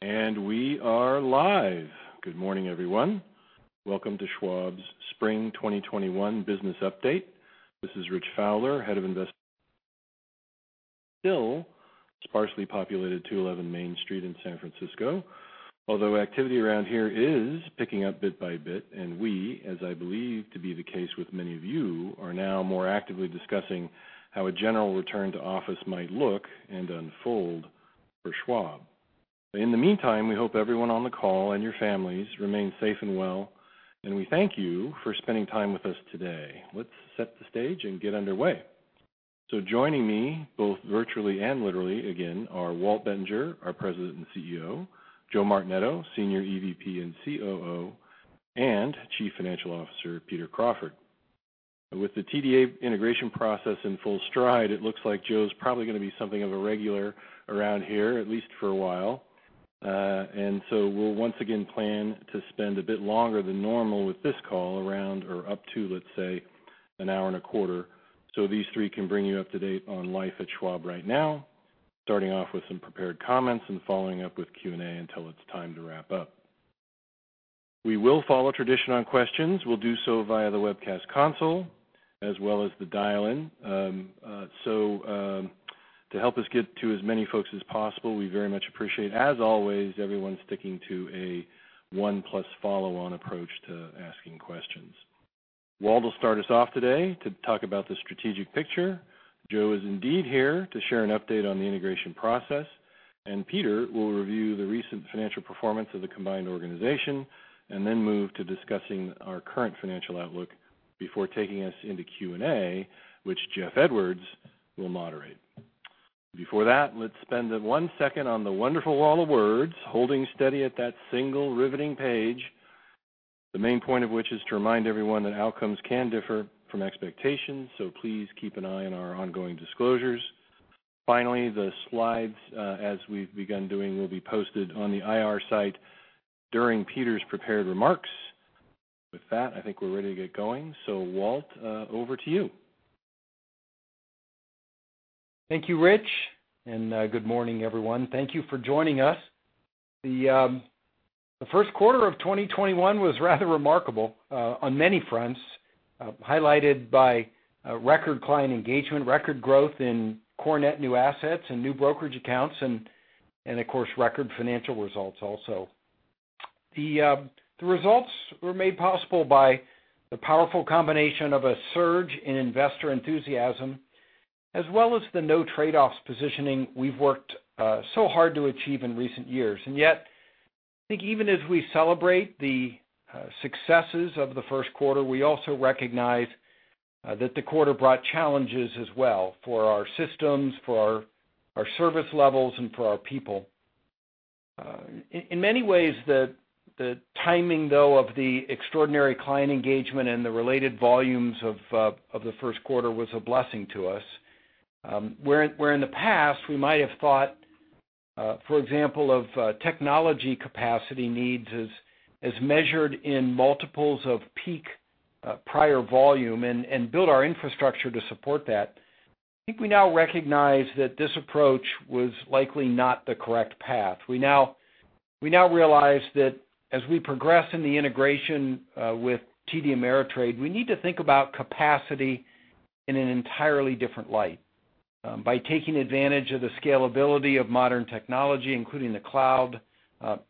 We are live. Good morning, everyone. Welcome to Schwab's Spring 2021 Business Update. This is Rich Fowler, Head of Investor- still sparsely populated 211 Main Street in San Francisco. Activity around here is picking up bit by bit, and we, as I believe to be the case with many of you, are now more actively discussing how a general return to office might look and unfold for Schwab. In the meantime, we hope everyone on the call and your families remain safe and well, and we thank you for spending time with us today. Let's set the stage and get underway. Joining me both virtually and literally again are Walt Bettinger, our President and CEO, Joe Martinetto, Senior EVP and COO, and Chief Financial Officer, Peter Crawford. With the TDA integration process in full stride, it looks like Joe's probably going to be something of a regular around here, at least for a while. We'll once again plan to spend a bit longer than normal with this call, around or up to, let's say, an hour and a quarter, so these three can bring you up to date on life at Schwab right now, starting off with some prepared comments and following up with Q&A until it's time to wrap up. We will follow tradition on questions. We'll do so via the webcast console as well as the dial-in. To help us get to as many folks as possible, we very much appreciate, as always, everyone sticking to a one-plus follow-on approach to asking questions. Walt will start us off today to talk about the strategic picture. Joe is indeed here to share an update on the integration process. Peter will review the recent financial performance of the combined organization and then move to discussing our current financial outlook before taking us into Q&A, which Jeff Edwards will moderate. Before that, let's spend one second on the wonderful Wall of Words, holding steady at that single riveting page, the main point of which is to remind everyone that outcomes can differ from expectations, so please keep an eye on our ongoing disclosures. The slides, as we've begun doing, will be posted on the IR site during Peter's prepared remarks. With that, I think we're ready to get going. Walt, over to you. Thank you, Rich. Good morning, everyone. Thank you for joining us. The first quarter of 2021 was rather remarkable on many fronts, highlighted by record client engagement, record growth in core net new assets and new brokerage accounts, and of course, record financial results also. The results were made possible by the powerful combination of a surge in investor enthusiasm, as well as the no trade-offs positioning, we've worked so hard to achieve in recent years. Yet, I think even as we celebrate the successes of the first quarter, we also recognize that the quarter brought challenges as well for our systems, for our service levels, and for our people. In many ways, the timing, though, of the extraordinary client engagement and the related volumes of the first quarter was a blessing to us. Where in the past, we might have thought, for example, of technology capacity needs as measured in multiples of peak prior volume and build our infrastructure to support that, I think we now recognize that this approach was likely not the correct path. We now realize that as we progress in the integration with TD Ameritrade, we need to think about capacity in an entirely different light by taking advantage of the scalability of modern technology, including the cloud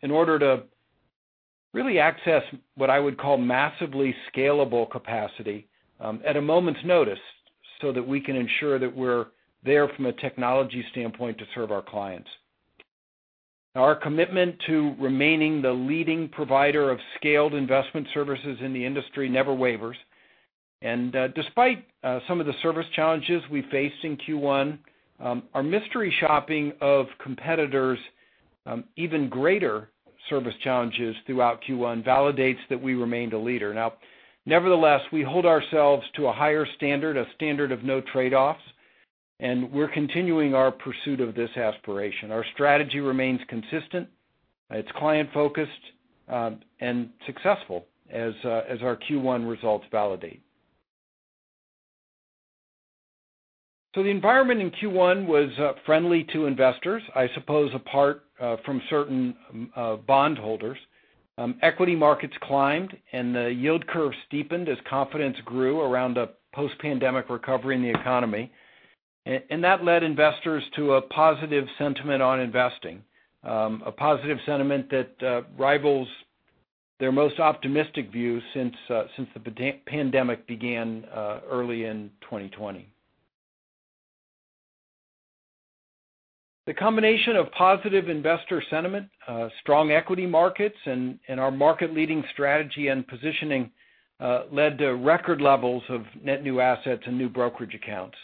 in order to really access what I would call massively scalable capacity at a moment's notice so that we can ensure that we're there from a technology standpoint to serve our clients. Our commitment to remaining the leading provider of scaled investment services in the industry never wavers. Despite some of the service challenges we faced in Q1, our mystery shopping of competitors' even greater service challenges throughout Q1 validates that we remained a leader. Nevertheless, we hold ourselves to a higher standard, a standard of no trade-offs, and we're continuing our pursuit of this aspiration. Our strategy remains consistent. It's client-focused and successful, as our Q1 results validate. The environment in Q1 was friendly to investors, I suppose apart from certain bondholders. Equity markets climbed, and the yield curve steepened as confidence grew around a post-pandemic recovery in the economy. That led investors to a positive sentiment on investing, a positive sentiment that rivals their most optimistic view since the pandemic began early in 2020. The combination of positive investor sentiment, strong equity markets, and our market-leading strategy and positioning led to record levels of net new assets and new brokerage accounts.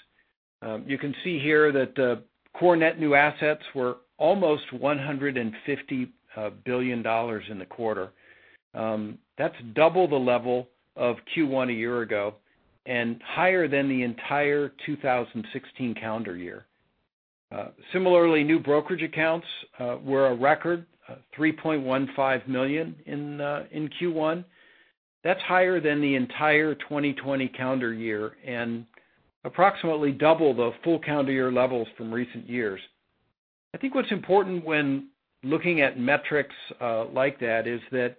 You can see here that core net new assets were almost $150 billion in the quarter. That's double the level of Q1 a year ago and higher than the entire 2016 calendar year. Similarly, new brokerage accounts were a record 3.15 million in Q1. That's higher than the entire 2020 calendar year and approximately double the full calendar year levels from recent years. I think what's important when looking at metrics like that is that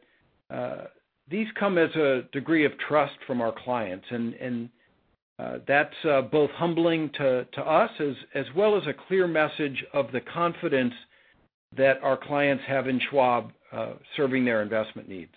these come as a degree of trust from our clients, and that's both humbling to us, as well as a clear message of the confidence that our clients have in Schwab serving their investment needs.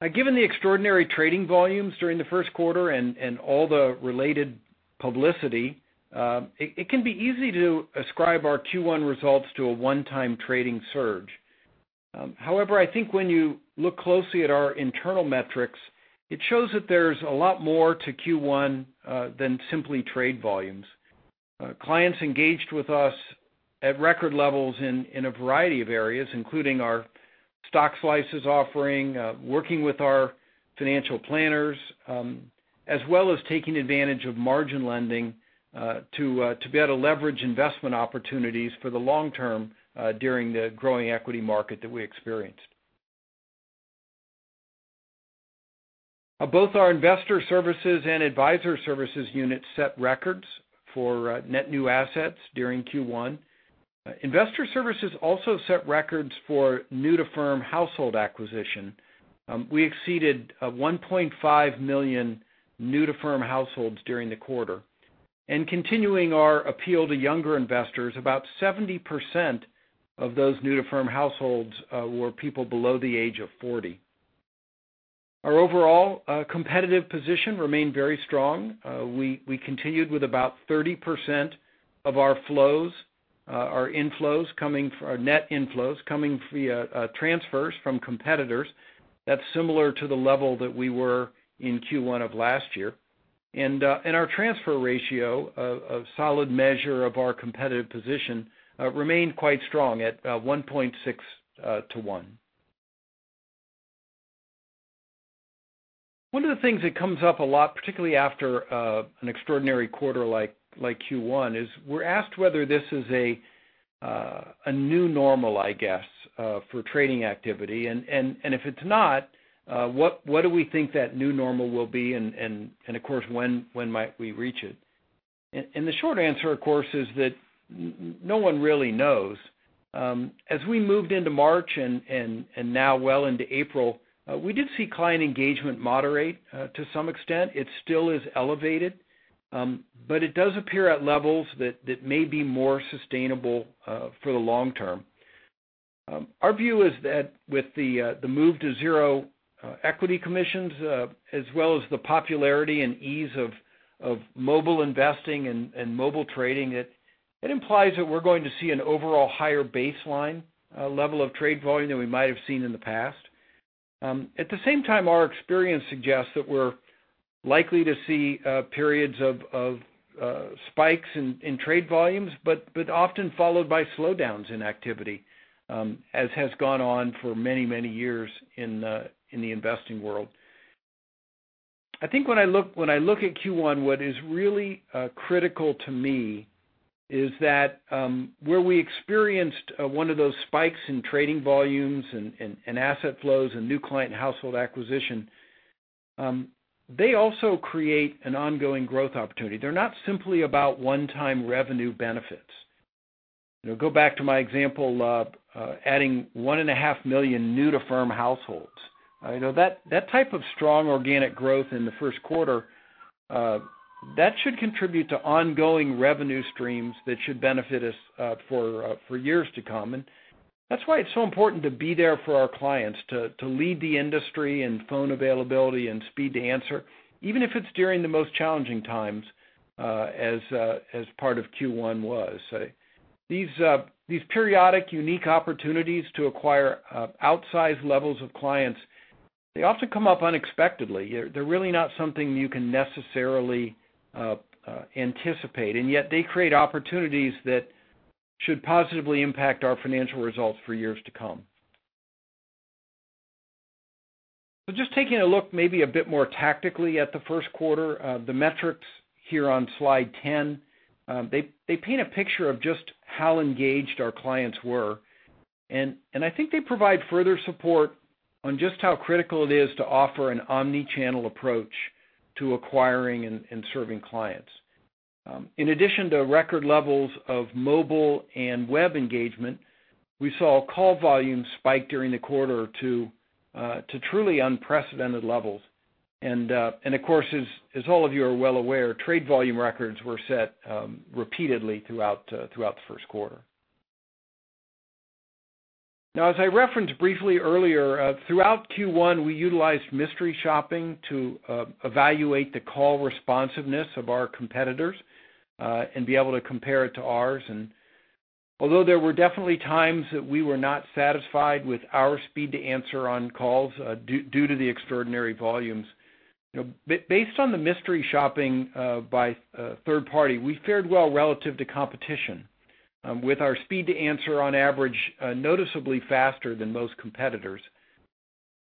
Now, given the extraordinary trading volumes during the first quarter and all the related publicity, it can be easy to ascribe our Q1 results to a one-time trading surge. However, I think when you look closely at our internal metrics, it shows that there's a lot more to Q1 than simply trade volumes. Clients engaged with us at record levels in a variety of areas, including our Schwab Stock Slices offering, working with our financial planners, as well as taking advantage of margin lending to be able to leverage investment opportunities for the long term during the growing equity market that we experienced. Both our investor services and Advisor Services units set records for net new assets during Q1. investor services also set records for new-to-firm household acquisition. We exceeded 1.5 million new-to-firm households during the quarter. Continuing our appeal to younger investors, about 70% of those new-to-firm households were people below the age of 40. Our overall competitive position remained very strong. We continued with about 30% of our inflows, our net inflows coming via transfers from competitors. That's similar to the level that we were in Q1 of last year. Our transfer ratio, a solid measure of our competitive position, remained quite strong at 1.6:1. One of the things that comes up a lot, particularly after an extraordinary quarter like Q1, is we're asked whether this is a new normal, I guess, for trading activity. If it's not, what do we think that new normal will be, and of course, when might we reach it? The short answer, of course, is that no one really knows. As we moved into March and now well into April, we did see client engagement moderate to some extent. It still is elevated, it does appear at levels that may be more sustainable for the long term. Our view is that with the move to zero equity commissions as well as the popularity and ease of mobile investing and mobile trading, it implies that we're going to see an overall higher baseline level of trade volume than we might have seen in the past. At the same time, our experience suggests that we're likely to see periods of spikes in trade volumes, but often followed by slowdowns in activity, as has gone on for many, many years in the investing world. I think when I look at Q1, what is really critical to me is that where we experienced one of those spikes in trading volumes and asset flows and new client household acquisition, they also create an ongoing growth opportunity. They're not simply about one-time revenue benefits. Go back to my example of adding one and a half million new-to-firm households. That type of strong organic growth in the first quarter, that should contribute to ongoing revenue streams that should benefit us for years to come. That's why it's so important to be there for our clients, to lead the industry in phone availability and speed to answer, even if it's during the most challenging times as part of Q1 was. These periodic unique opportunities to acquire outsized levels of clients, they often come up unexpectedly. They're really not something you can necessarily anticipate, yet they create opportunities that should positively impact our financial results for years to come. Just taking a look maybe a bit more tactically at the first quarter, the metrics here on slide 10, they paint a picture of just how engaged our clients were, and I think they provide further support on just how critical it is to offer an omnichannel approach to acquiring and serving clients. In addition to record levels of mobile and web engagement, we saw call volume spike during the quarter to truly unprecedented levels. Of course, as all of you are well aware, trade volume records were set repeatedly throughout the first quarter. As I referenced briefly earlier, throughout Q1, we utilized mystery shopping to evaluate the call responsiveness of our competitors and be able to compare it to ours. Although there were definitely times that we were not satisfied with our speed to answer on calls due to the extraordinary volumes, based on the mystery shopping by a third party, we fared well relative to competition, with our speed to answer, on average, noticeably faster than most competitors.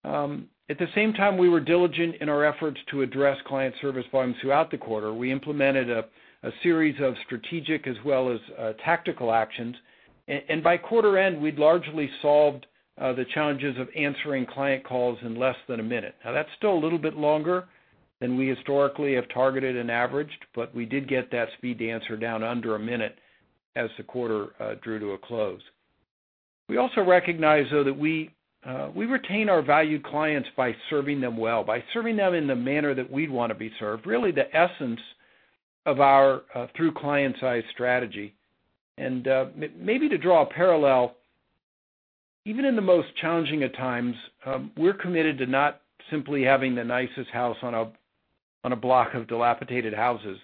At the same time, we were diligent in our efforts to address client service volumes throughout the quarter. We implemented a series of strategic as well as tactical actions. By quarter end, we'd largely solved the challenges of answering client calls in less than a minute. Now, that's still a little bit longer than we historically have targeted and averaged, but we did get that speed to answer down under a minute as the quarter drew to a close. We also recognize, though, that we retain our valued clients by serving them well, by serving them in the manner that we'd want to be served. Really the essence of our through clients' eyes strategy. Maybe to draw a parallel, even in the most challenging of times, we're committed to not simply having the nicest house on a block of dilapidated houses.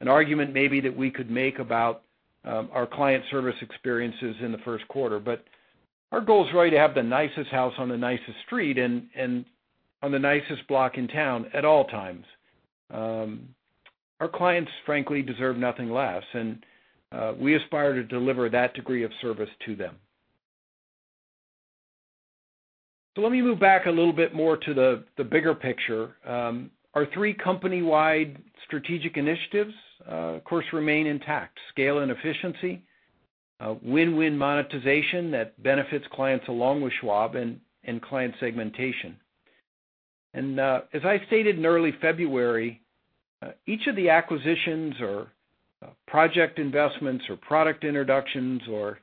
An argument maybe that we could make about our client service experiences in the first quarter, but our goal is really to have the nicest house on the nicest street and on the nicest block in town at all times. Our clients, frankly, deserve nothing less, and we aspire to deliver that degree of service to them. Let me move back a little bit more to the bigger picture. Our three company-wide strategic initiatives, of course, remain intact. Scale and efficiency, win-win monetization that benefits clients along with Schwab, and client segmentation. As I stated in early February, each of the acquisitions or project investments or product introductions or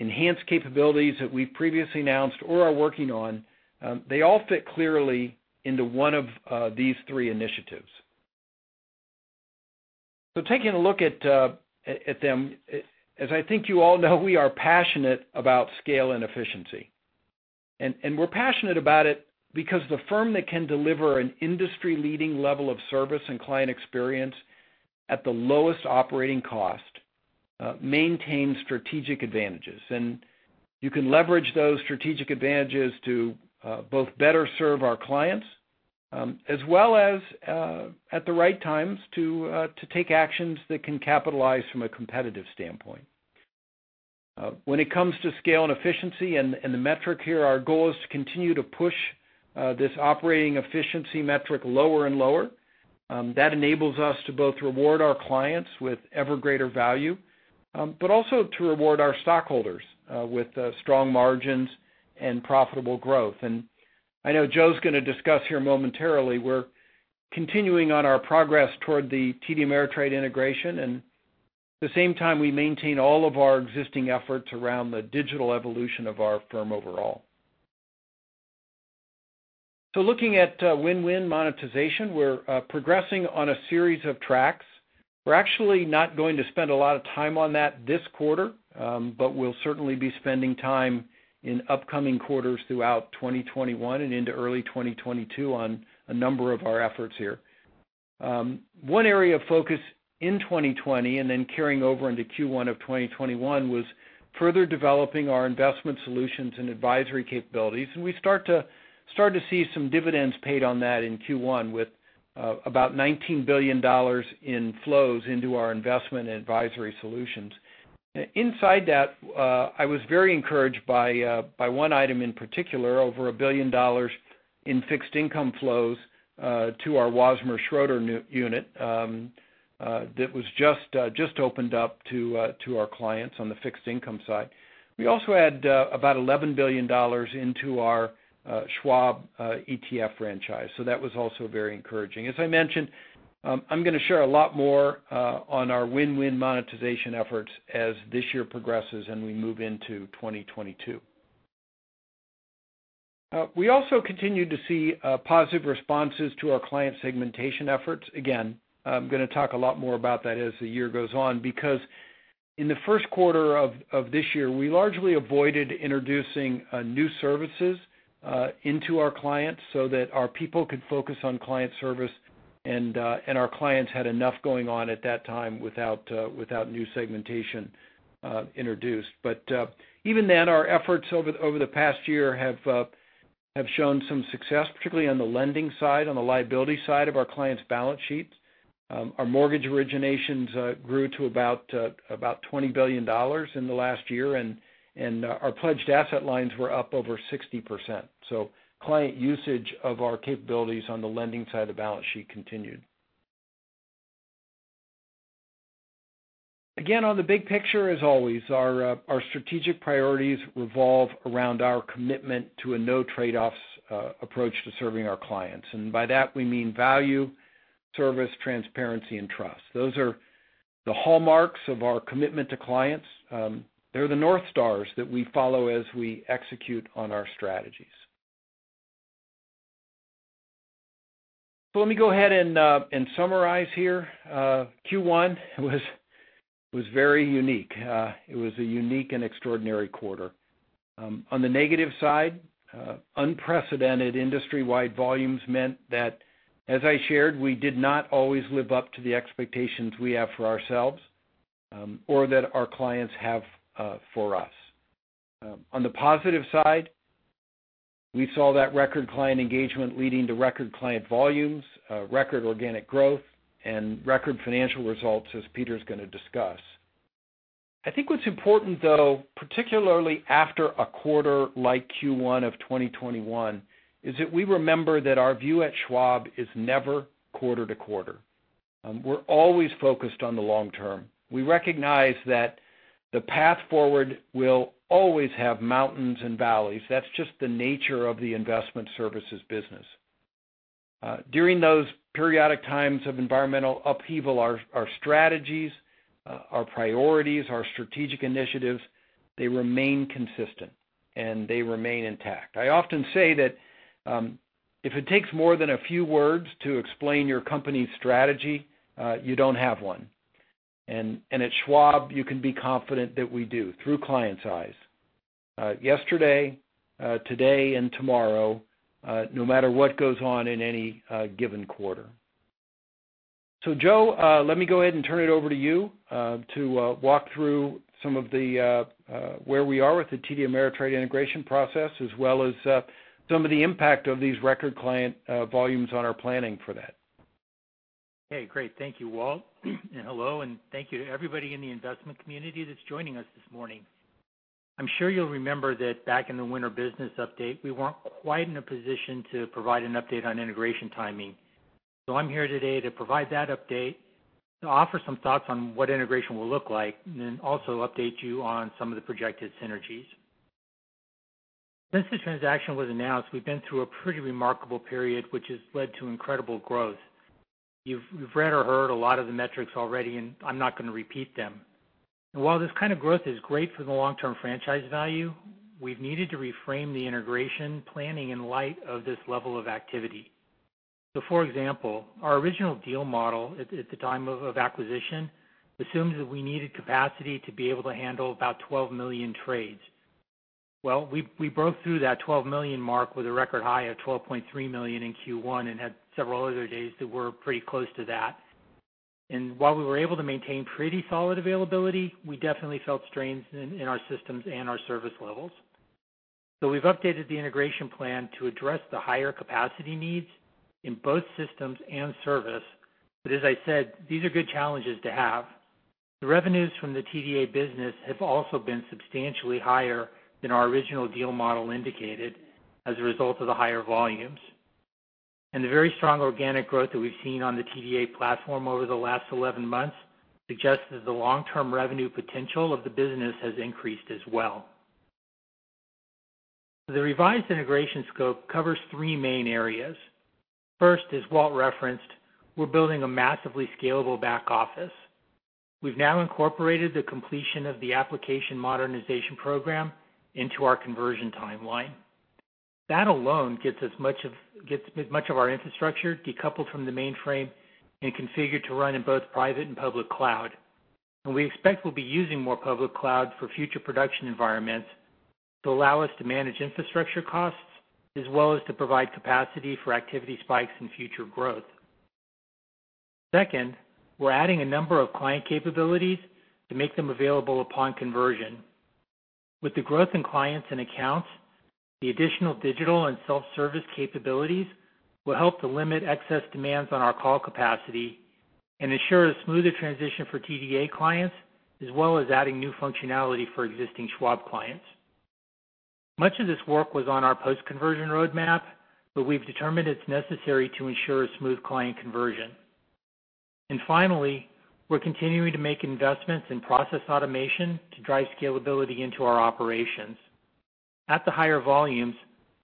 enhanced capabilities that we've previously announced or are working on, they all fit clearly into one of these three initiatives. Taking a look at them, as I think you all know, we are passionate about scale and efficiency. We're passionate about it because the firm that can deliver an industry-leading level of service and client experience at the lowest operating cost, maintains strategic advantages. You can leverage those strategic advantages to both better serve our clients, as well as at the right times, to take actions that can capitalize from a competitive standpoint. When it comes to scale and efficiency and the metric here, our goal is to continue to push this operating efficiency metric lower and lower. That enables us to both reward our clients with ever greater value, but also to reward our stockholders with strong margins and profitable growth. I know Joe's going to discuss here momentarily, we're continuing on our progress toward the TD Ameritrade integration, and the same time we maintain all of our existing efforts around the digital evolution of our firm overall. Looking at win-win monetization, we're progressing on a series of tracks. We're actually not going to spend a lot of time on that this quarter, but we'll certainly be spending time in upcoming quarters throughout 2021 and into early 2022 on a number of our efforts here. One area of focus in 2020 and then carrying over into Q1 of 2021 was further developing our investment solutions and advisory capabilities, and we start to see some dividends paid on that in Q1 with about $19 billion in flows into our investment and advisory solutions. Inside that, I was very encouraged by one item in particular, over a billion dollars in fixed income flows to our Wasmer Schroeder unit that was just opened up to our clients on the fixed income side. We also add about $11 billion into our Schwab ETF franchise, so that was also very encouraging. As I mentioned, I'm going to share a lot more on our win-win monetization efforts as this year progresses and we move into 2022. We also continue to see positive responses to our client segmentation efforts. I'm going to talk a lot more about that as the year goes on because in the first quarter of this year, we largely avoided introducing new services into our clients so that our people could focus on client service and our clients had enough going on at that time without new segmentation introduced. Even then, our efforts over the past year have shown some success, particularly on the lending side, on the liability side of our clients' balance sheets. Our mortgage originations grew to about $20 billion in the last year, and our pledged asset lines were up over 60%. Client usage of our capabilities on the lending side of the balance sheet continued. On the big picture as always, our strategic priorities revolve around our commitment to a no trade-offs approach to serving our clients. By that we mean value, service, transparency and trust. Those are the hallmarks of our commitment to clients. They're the North Stars that we follow as we execute on our strategies. Let me go ahead and summarize here. Q1 was very unique. It was a unique and extraordinary quarter. On the negative side, unprecedented industry-wide volumes meant that, as I shared, we did not always live up to the expectations we have for ourselves, or that our clients have for us. On the positive side, we saw that record client engagement leading to record client volumes, record organic growth and record financial results as Peter's going to discuss. I think what's important though, particularly after a quarter like Q1 of 2021, is that we remember that our view at Schwab is never quarter to quarter. We're always focused on the long term. We recognize that the path forward will always have mountains and valleys. That's just the nature of the investor services business. During those periodic times of environmental upheaval, our strategies, our priorities, our strategic initiatives, they remain consistent and they remain intact. I often say that if it takes more than a few words to explain your company's strategy, you don't have one. At Schwab, you can be confident that we do through clients' eyes, yesterday, today and tomorrow, no matter what goes on in any given quarter. Joe, let me go ahead and turn it over to you, to walk through where we are with the TD Ameritrade integration process, as well as some of the impact of these record client volumes on our planning for that. Okay, great. Thank you, Walt. Hello and thank you to everybody in the investment community that's joining us this morning. I'm sure you'll remember that back in the winter business update, we weren't quite in a position to provide an update on integration timing. I'm here today to provide that update, to offer some thoughts on what integration will look like, and then also update you on some of the projected synergies. Since the transaction was announced, we've been through a pretty remarkable period, which has led to incredible growth. You've read or heard a lot of the metrics already, and I'm not going to repeat them. While this kind of growth is great for the long-term franchise value, we've needed to reframe the integration planning in light of this level of activity. For example, our original deal model at the time of acquisition assumed that we needed capacity to be able to handle about 12 million trades. Well, we broke through that 12 million mark with a record high of 12.3 million in Q1 and had several other days that were pretty close to that. While we were able to maintain pretty solid availability, we definitely felt strains in our systems and our service levels. We've updated the integration plan to address the higher capacity needs in both systems and service, but as I said, these are good challenges to have. The revenues from the TDA business have also been substantially higher than our original deal model indicated as a result of the higher volumes. The very strong organic growth that we've seen on the TDA platform over the last 11 months suggests that the long-term revenue potential of the business has increased as well. The revised integration scope covers three main areas. First, as Walt referenced, we're building a massively scalable back office. We've now incorporated the completion of the application modernization program into our conversion timeline. That alone gets much of our infrastructure decoupled from the mainframe and configured to run in both private and public cloud. We expect we'll be using more public cloud for future production environments to allow us to manage infrastructure costs, as well as to provide capacity for activity spikes and future growth. Second, we're adding a number of client capabilities to make them available upon conversion. With the growth in clients and accounts, the additional digital and self-service capabilities will help to limit excess demands on our call capacity and ensure a smoother transition for TDA clients, as well as adding new functionality for existing Schwab clients. Much of this work was on our post-conversion roadmap, but we've determined it's necessary to ensure a smooth client conversion. Finally, we're continuing to make investments in process automation to drive scalability into our operations. At the higher volumes,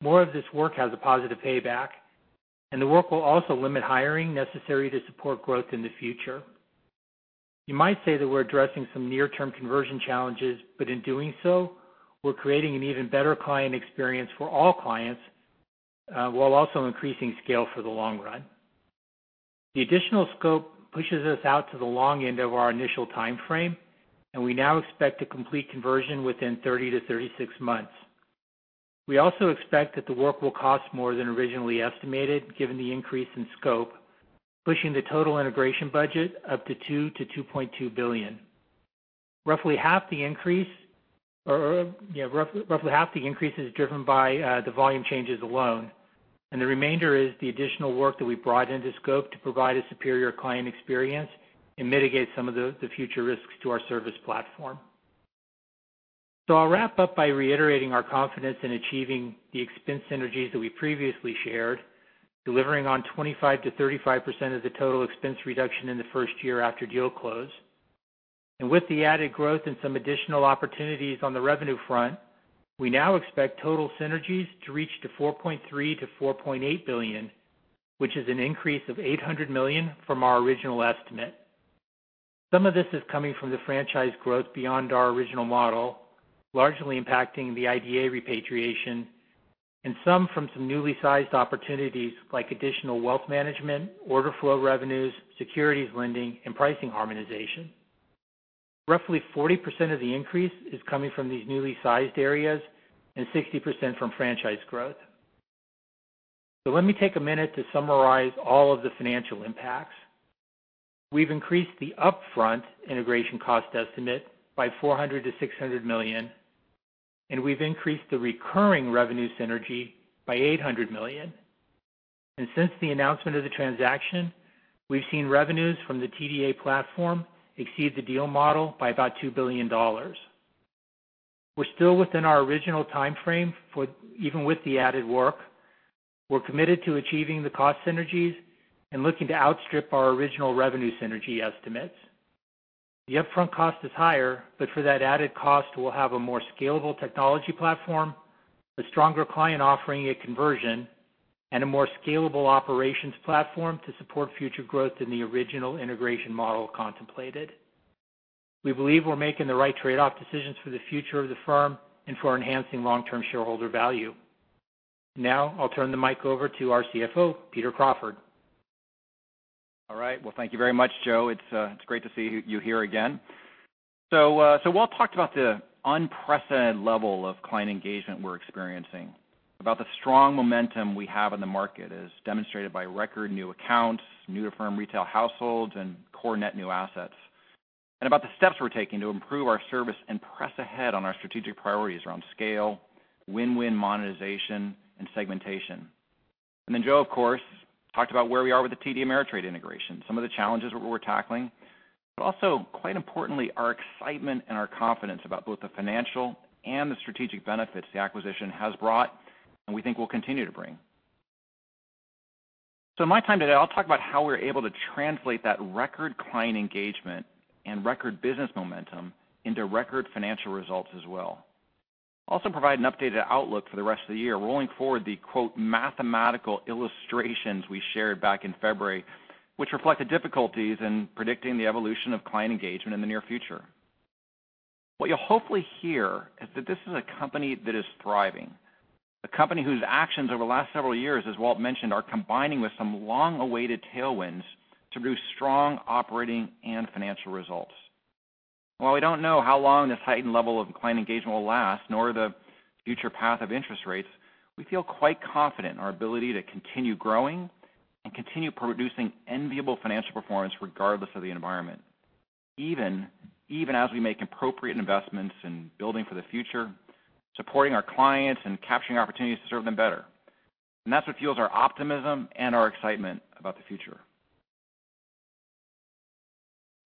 more of this work has a positive payback, and the work will also limit hiring necessary to support growth in the future. You might say that we're addressing some near-term conversion challenges, but in doing so, we're creating an even better client experience for all clients, while also increasing scale for the long run. The additional scope pushes us out to the long end of our initial time frame. We now expect to complete conversion within 30-36 months. We also expect that the work will cost more than originally estimated, given the increase in scope, pushing the total integration budget up to $2 billion-$2.2 billion. Roughly half the increase is driven by the volume changes alone, and the remainder is the additional work that we brought into scope to provide a superior client experience and mitigate some of the future risks to our service platform. I'll wrap up by reiterating our confidence in achieving the expense synergies that we previously shared, delivering on 25%-35% of the total expense reduction in the first year after deal close. With the added growth and some additional opportunities on the revenue front, we now expect total synergies to reach $4.3 billion-$4.8 billion, which is an increase of $800 million from our original estimate. Some of this is coming from the franchise growth beyond our original model, largely impacting the IDA repatriation, and some from newly sized opportunities like additional wealth management, order flow revenues, securities lending, and pricing harmonization. Roughly 40% of the increase is coming from these newly sized areas and 60% from franchise growth. Let me take a minute to summarize all of the financial impacts. We've increased the upfront integration cost estimate by $400 million-$600 million, and we've increased the recurring revenue synergy by $800 million. Since the announcement of the transaction, we've seen revenues from the TDA platform exceed the deal model by about $2 billion. We're still within our original time frame even with the added work. We're committed to achieving the cost synergies and looking to outstrip our original revenue synergy estimates. The upfront cost is higher, but for that added cost, we'll have a more scalable technology platform, a stronger client offering at conversion, and a more scalable operations platform to support future growth than the original integration model contemplated. We believe we're making the right trade-off decisions for the future of the firm and for enhancing long-term shareholder value. I'll turn the mic over to our CFO, Peter Crawford. All right. Well, thank you very much, Joe. It's great to see you here again. Walt talked about the unprecedented level of client engagement we're experiencing, about the strong momentum we have in the market as demonstrated by record new accounts, new to firm retail households, and core net new assets, and about the steps we're taking to improve our service and press ahead on our strategic priorities around scale, win-win monetization, and segmentation. Joe, of course, talked about where we are with the TD Ameritrade integration, some of the challenges we're tackling, but also, quite importantly, our excitement and our confidence about both the financial and the strategic benefits the acquisition has brought and we think will continue to bring. In my time today, I'll talk about how we're able to translate that record client engagement and record business momentum into record financial results as well. Also provide an updated outlook for the rest of the year rolling forward the, quote, "mathematical illustrations" we shared back in February, which reflect the difficulties in predicting the evolution of client engagement in the near future. What you'll hopefully hear is that this is a company that is thriving, a company whose actions over the last several years, as Walt mentioned, are combining with some long-awaited tailwinds to produce strong operating and financial results. While we don't know how long this heightened level of client engagement will last, nor the future path of interest rates, we feel quite confident in our ability to continue growing and continue producing enviable financial performance regardless of the environment, even as we make appropriate investments in building for the future, supporting our clients, and capturing opportunities to serve them better. That's what fuels our optimism and our excitement about the future.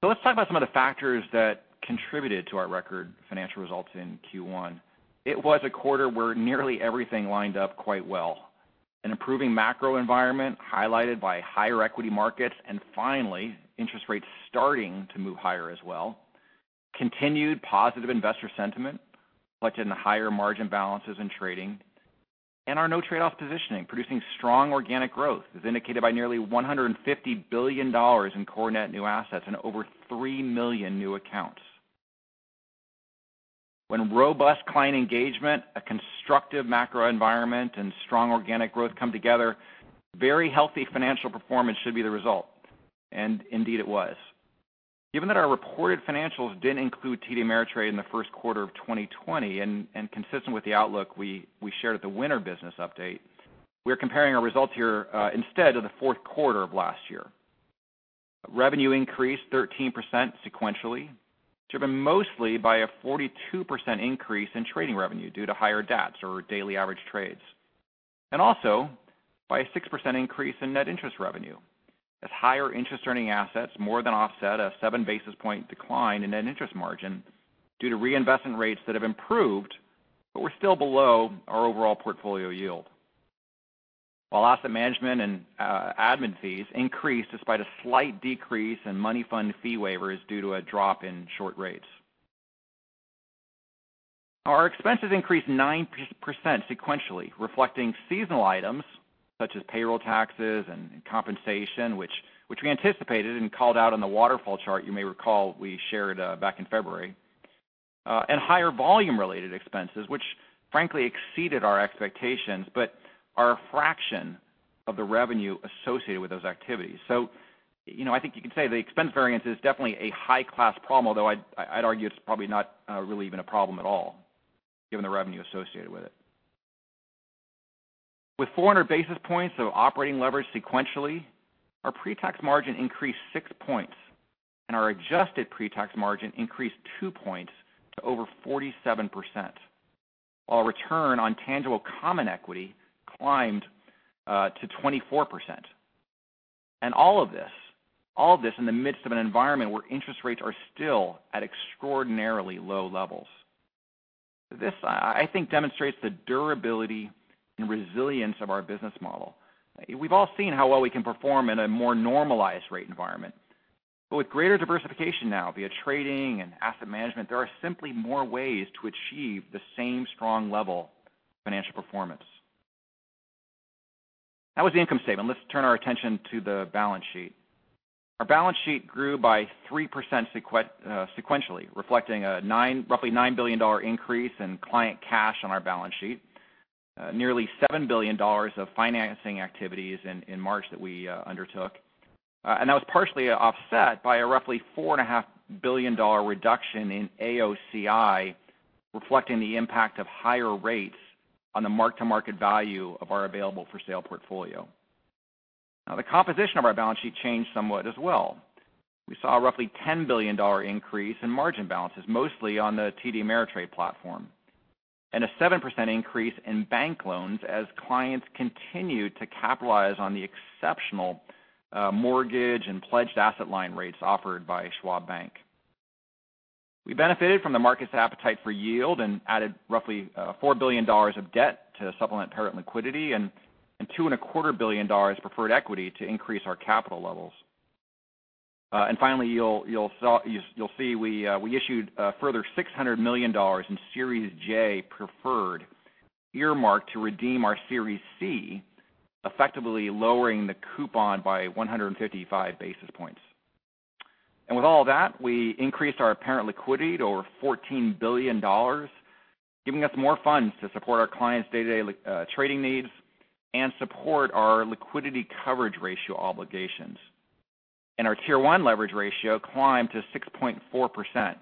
Let's talk about some of the factors that contributed to our record financial results in Q1. It was a quarter where nearly everything lined up quite well. An improving macro environment highlighted by higher equity markets and finally interest rates starting to move higher as well. Continued positive investor sentiment reflected in the higher margin balances in trading. Our no trade-off positioning producing strong organic growth, as indicated by nearly $150 billion in core net new assets and over 3 million new accounts. When robust client engagement, a constructive macro environment, and strong organic growth come together, very healthy financial performance should be the result, and indeed it was. Given that our reported financials didn't include TD Ameritrade in the first quarter of 2020, and consistent with the outlook we shared at the winter business update, we are comparing our results here instead to the fourth quarter of last year. Revenue increased 13% sequentially, driven mostly by a 42% increase in trading revenue due to higher DATs, or daily average trades, and also by a 6% increase in net interest revenue as higher interest-earning assets more than offset a seven basis point decline in net interest margin due to reinvestment rates that have improved but were still below our overall portfolio yield. While asset management and admin fees increased despite a slight decrease in money fund fee waivers due to a drop in short rates. Our expenses increased 9% sequentially, reflecting seasonal items such as payroll taxes and compensation, which we anticipated and called out on the waterfall chart you may recall we shared back in February, and higher volume-related expenses, which frankly exceeded our expectations but are a fraction of the revenue associated with those activities. I think you could say the expense variance is definitely a high-class problem, although I'd argue it's probably not really even a problem at all given the revenue associated with it. With 400 basis points of operating leverage sequentially, our pre-tax margin increased six points, and our adjusted pre-tax margin increased two points to over 47%, while return on tangible common equity climbed to 24%. And all of this in the midst of an environment where interest rates are still at extraordinarily low levels. This, I think, demonstrates the durability and resilience of our business model. With greater diversification now via trading and asset management, there are simply more ways to achieve the same strong level of financial performance. That was the income statement. Let's turn our attention to the balance sheet. Our balance sheet grew by 3% sequentially, reflecting a roughly $9 billion increase in client cash on our balance sheet. Nearly $7 billion of financing activities in March that we undertook. That was partially offset by a roughly $4.5 billion reduction in AOCI, reflecting the impact of higher rates on the mark-to-market value of our available for sale portfolio. Now the composition of our balance sheet changed somewhat as well. We saw a roughly $10 billion increase in margin balances, mostly on the TD Ameritrade platform. A 7% increase in bank loans as clients continued to capitalize on the exceptional mortgage and pledged asset line rates offered by Schwab Bank. We benefited from the market's appetite for yield and added roughly $4 billion of debt to supplement parent liquidity and $2.25 billion preferred equity to increase our capital levels. Finally, you'll see we issued a further $600 million in Series J Preferred, earmarked to redeem our Series C Preferred, effectively lowering the coupon by 155 basis points. With all that, we increased our parent liquidity to over $14 billion, giving us more funds to support our clients' day-to-day trading needs and support our liquidity coverage ratio obligations. Our Tier 1 leverage ratio climbed to 6.4%,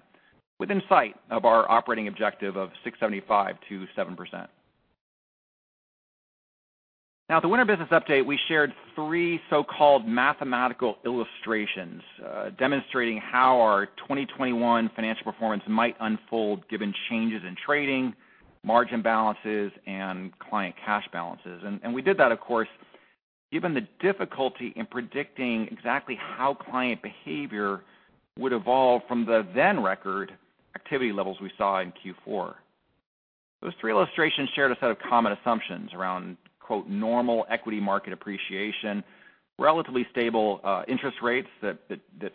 within sight of our operating objective of 6.75%-7%. At the winter business update, we shared three so-called mathematical illustrations, demonstrating how our 2021 financial performance might unfold given changes in trading, margin balances, and client cash balances. We did that, of course, given the difficulty in predicting exactly how client behavior would evolve from the then record activity levels we saw in Q4. Those three illustrations shared a set of common assumptions around, quote, "normal equity market appreciation, relatively stable interest rates that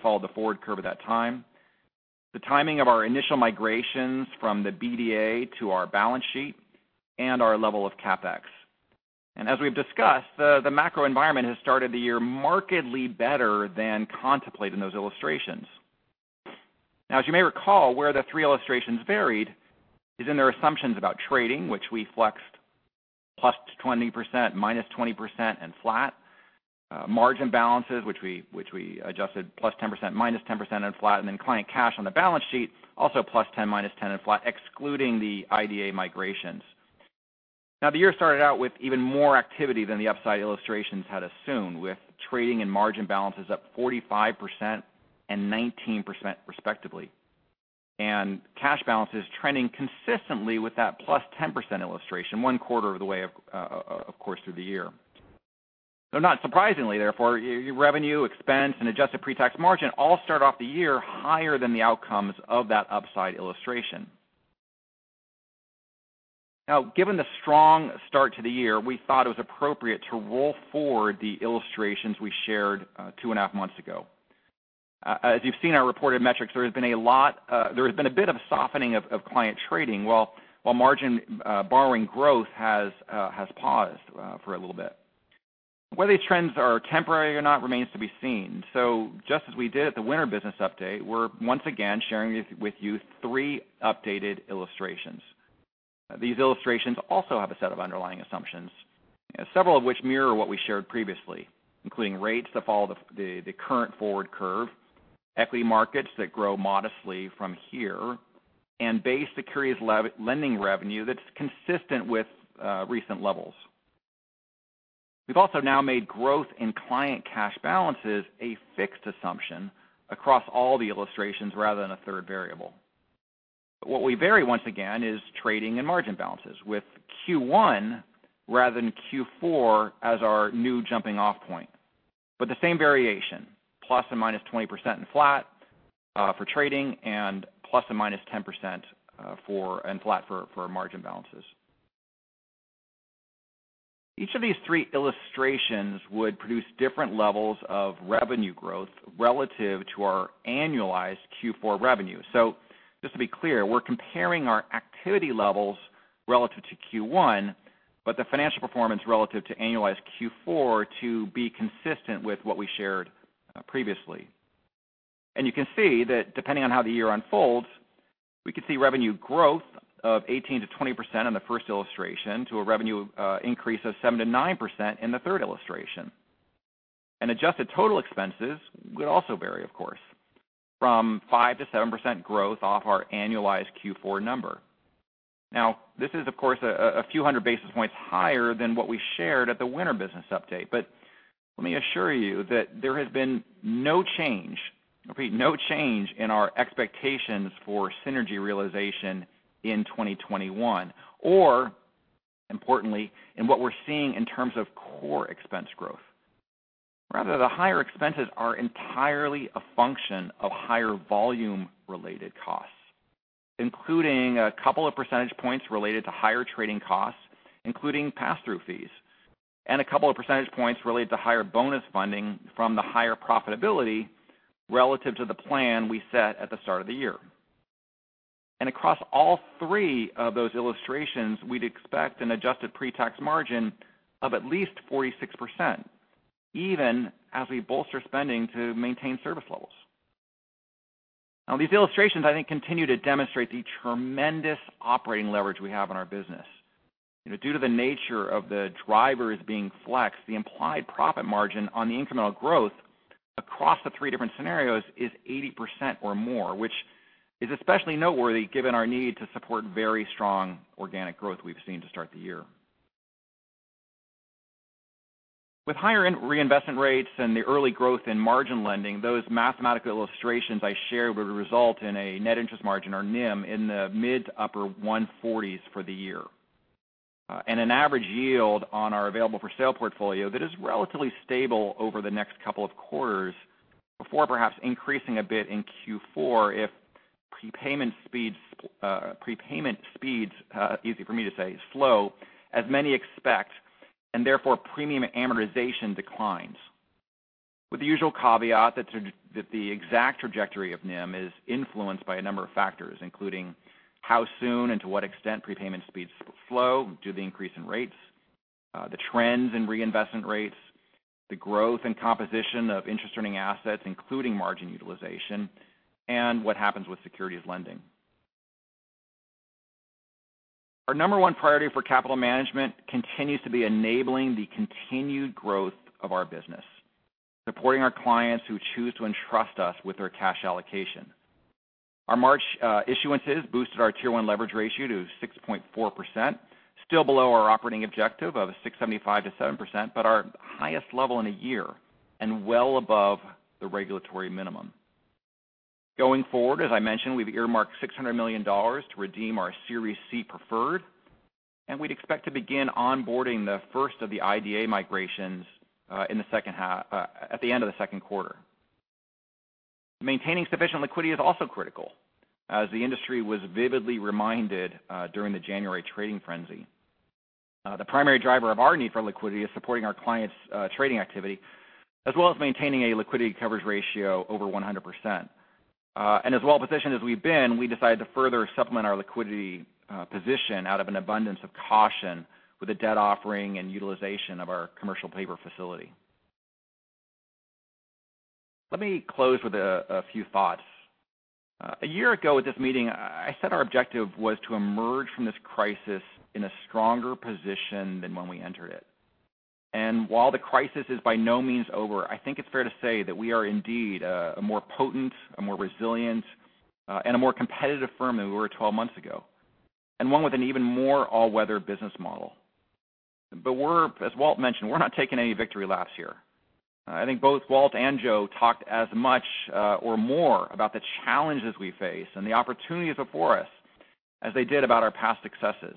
followed the forward curve at that time, the timing of our initial migrations from the BDA to our balance sheet, and our level of CapEx." As we've discussed, the macro environment has started the year markedly better than contemplated in those illustrations. As you may recall, where the three illustrations varied is in their assumptions about trading, which we flexed +20%, -20%, and flat, margin balances, which we adjusted +10%, -10%, and flat, and then client cash on the balance sheet, also +10%, -10%, and flat, excluding the IDA migrations. The year started out with even more activity than the upside illustrations had assumed, with trading and margin balances up 45% and 19% respectively, and cash balances trending consistently with that plus 10% illustration, one quarter of the way, of course, through the year. Not surprisingly, therefore, revenue, expense, and adjusted pre-tax margin all start off the year higher than the outcomes of that upside illustration. Given the strong start to the year, we thought it was appropriate to roll forward the illustrations we shared two and a half months ago. As you've seen in our reported metrics, there has been a bit of softening of client trading, while margin borrowing growth has paused for a little bit. Whether these trends are temporary or not remains to be seen. Just as we did at the winter business update, we're once again sharing with you three updated illustrations. These illustrations also have a set of underlying assumptions, several of which mirror what we shared previously, including rates that follow the current forward curve, equity markets that grow modestly from here, and base securities lending revenue that's consistent with recent levels. We've also now made growth in client cash balances a fixed assumption across all the illustrations rather than a third variable. What we vary, once again, is trading and margin balances, with Q1 rather than Q4 as our new jumping-off point. The same variation, plus and minus 20% and flat for trading, and plus and minus 10% and flat for margin balances. Each of these three illustrations would produce different levels of revenue growth relative to our annualized Q4 revenue. Just to be clear, we're comparing our activity levels relative to Q1, but the financial performance relative to annualized Q4 to be consistent with what we shared previously. You can see that depending on how the year unfolds, we could see revenue growth of 18%-20% in the first illustration to a revenue increase of 7%-9% in the third illustration. Adjusted total expenses would also vary, of course, from 5%-7% growth off our annualized Q4 number. This is, of course, a few hundred basis points higher than what we shared at the winter business update. Let me assure you that there has been no change, I repeat, no change in our expectations for synergy realization in 2021, or importantly, in what we're seeing in terms of core expense growth. Rather, the higher expenses are entirely a function of higher volume-related costs, including a couple of percentage points related to higher trading costs, including pass-through fees, and a couple of percentage points related to higher bonus funding from the higher profitability relative to the plan we set at the start of the year. Across all three of those illustrations, we'd expect an adjusted pre-tax margin of at least 46%, even as we bolster spending to maintain service levels. These illustrations, I think, continue to demonstrate the tremendous operating leverage we have in our business. Due to the nature of the drivers being flexed, the implied profit margin on the incremental growth across the three different scenarios is 80% or more, which is especially noteworthy given our need to support very strong organic growth we've seen to start the year. With higher reinvestment rates and the early growth in margin lending, those mathematical illustrations I shared would result in a net interest margin or NIM in the mid to upper 140s for the year. An average yield on our available for sale portfolio that is relatively stable over the next couple of quarters before perhaps increasing a bit in Q4 if prepayment speeds, easy for me to say, slow, as many expect, and therefore premium amortization declines. With the usual caveat that the exact trajectory of NIM is influenced by a number of factors, including how soon and to what extent prepayment speeds slow due to the increase in rates, the trends in reinvestment rates, the growth and composition of interest earning assets, including margin utilization, and what happens with securities lending. Our number one priority for capital management continues to be enabling the continued growth of our business, supporting our clients who choose to entrust us with their cash allocation. Our March issuances boosted our Tier 1 leverage ratio to 6.4%, still below our operating objective of 6.75%-7%, but our highest level in a year, and well above the regulatory minimum. Going forward, as I mentioned, we've earmarked $600 million to redeem our Series C Preferred, and we'd expect to begin onboarding the first of the IDA migrations at the end of the second quarter. Maintaining sufficient liquidity is also critical, as the industry was vividly reminded during the January trading frenzy. The primary driver of our need for liquidity is supporting our clients' trading activity, as well as maintaining a liquidity coverage ratio over 100%. As well-positioned as we've been, we decided to further supplement our liquidity position out of an abundance of caution with a debt offering and utilization of our commercial paper facility. Let me close with a few thoughts. A year ago at this meeting, I said our objective was to emerge from this crisis in a stronger position than when we entered it. While the crisis is by no means over, I think it's fair to say that we are indeed a more potent, a more resilient, and a more competitive firm than we were 12 months ago, and one with an even more all-weather business model. As Walt mentioned, we're not taking any victory laps here. I think both Walt and Joe talked as much or more about the challenges we face and the opportunities before us as they did about our past successes.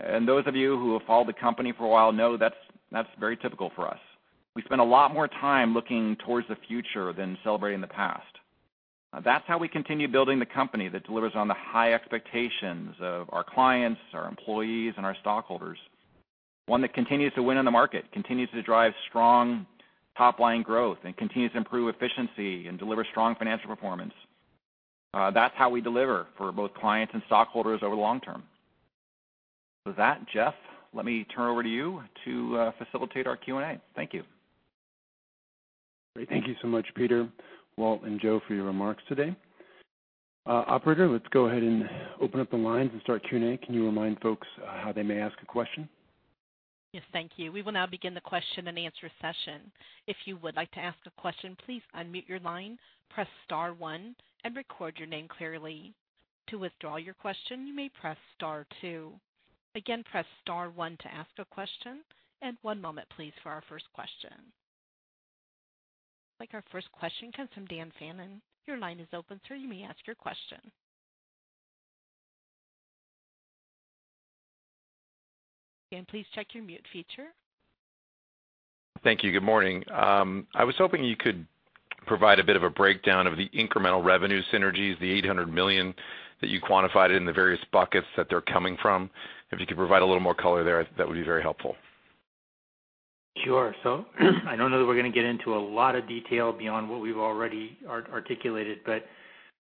Those of you who have followed the company for a while know that's very typical for us. We spend a lot more time looking towards the future than celebrating the past. That's how we continue building the company that delivers on the high expectations of our clients, our employees, and our stockholders. One that continues to win in the market, continues to drive strong top-line growth, and continues to improve efficiency and deliver strong financial performance. That's how we deliver for both clients and stockholders over the long term. With that, Jeff, let me turn over to you to facilitate our Q&A. Thank you. Great. Thank you so much, Peter, Walt, and Joe for your remarks today. Operator, let's go ahead and open up the lines and start Q&A. Can you remind folks how they may ask a question? Yes. Thank you. We will now begin the question and answer session. If you would like to ask a question, please unmute your line, press star one, and record your name clearly. To withdraw your question, you may press star two. Again, press star one to ask a question, and one moment, please, for our first question. I think our first question comes from Dan Fannon. Your line is open, sir. You may ask your question. Dan, please check your mute feature. Thank you. Good morning. I was hoping you could provide a bit of a breakdown of the incremental revenue synergies, the $800 million that you quantified in the various buckets that they're coming from. If you could provide a little more color there, that would be very helpful. Sure. I don't know that we're going to get into a lot of detail beyond what we've already articulated, but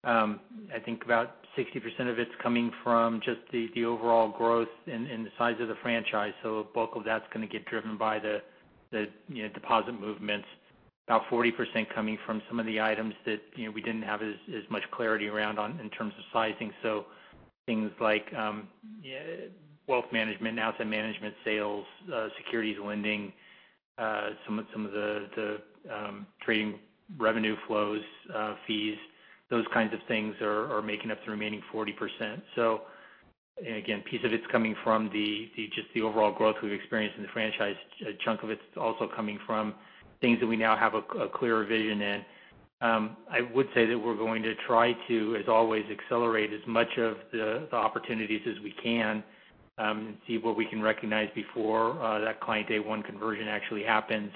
I think about 60% of it's coming from just the overall growth and the size of the franchise. A bulk of that's going to get driven by the deposit movements. About 40% coming from some of the items that we didn't have as much clarity around in terms of sizing. Things like wealth management and outside management sales, securities lending, some of the trading revenue flows, fees, those kinds of things are making up the remaining 40%. Again, a piece of it's coming from just the overall growth we've experienced in the franchise. A chunk of it's also coming from things that we now have a clearer vision in. I would say that we're going to try to, as always, accelerate as much of the opportunities as we can and see what we can recognize before that client day one conversion actually happens.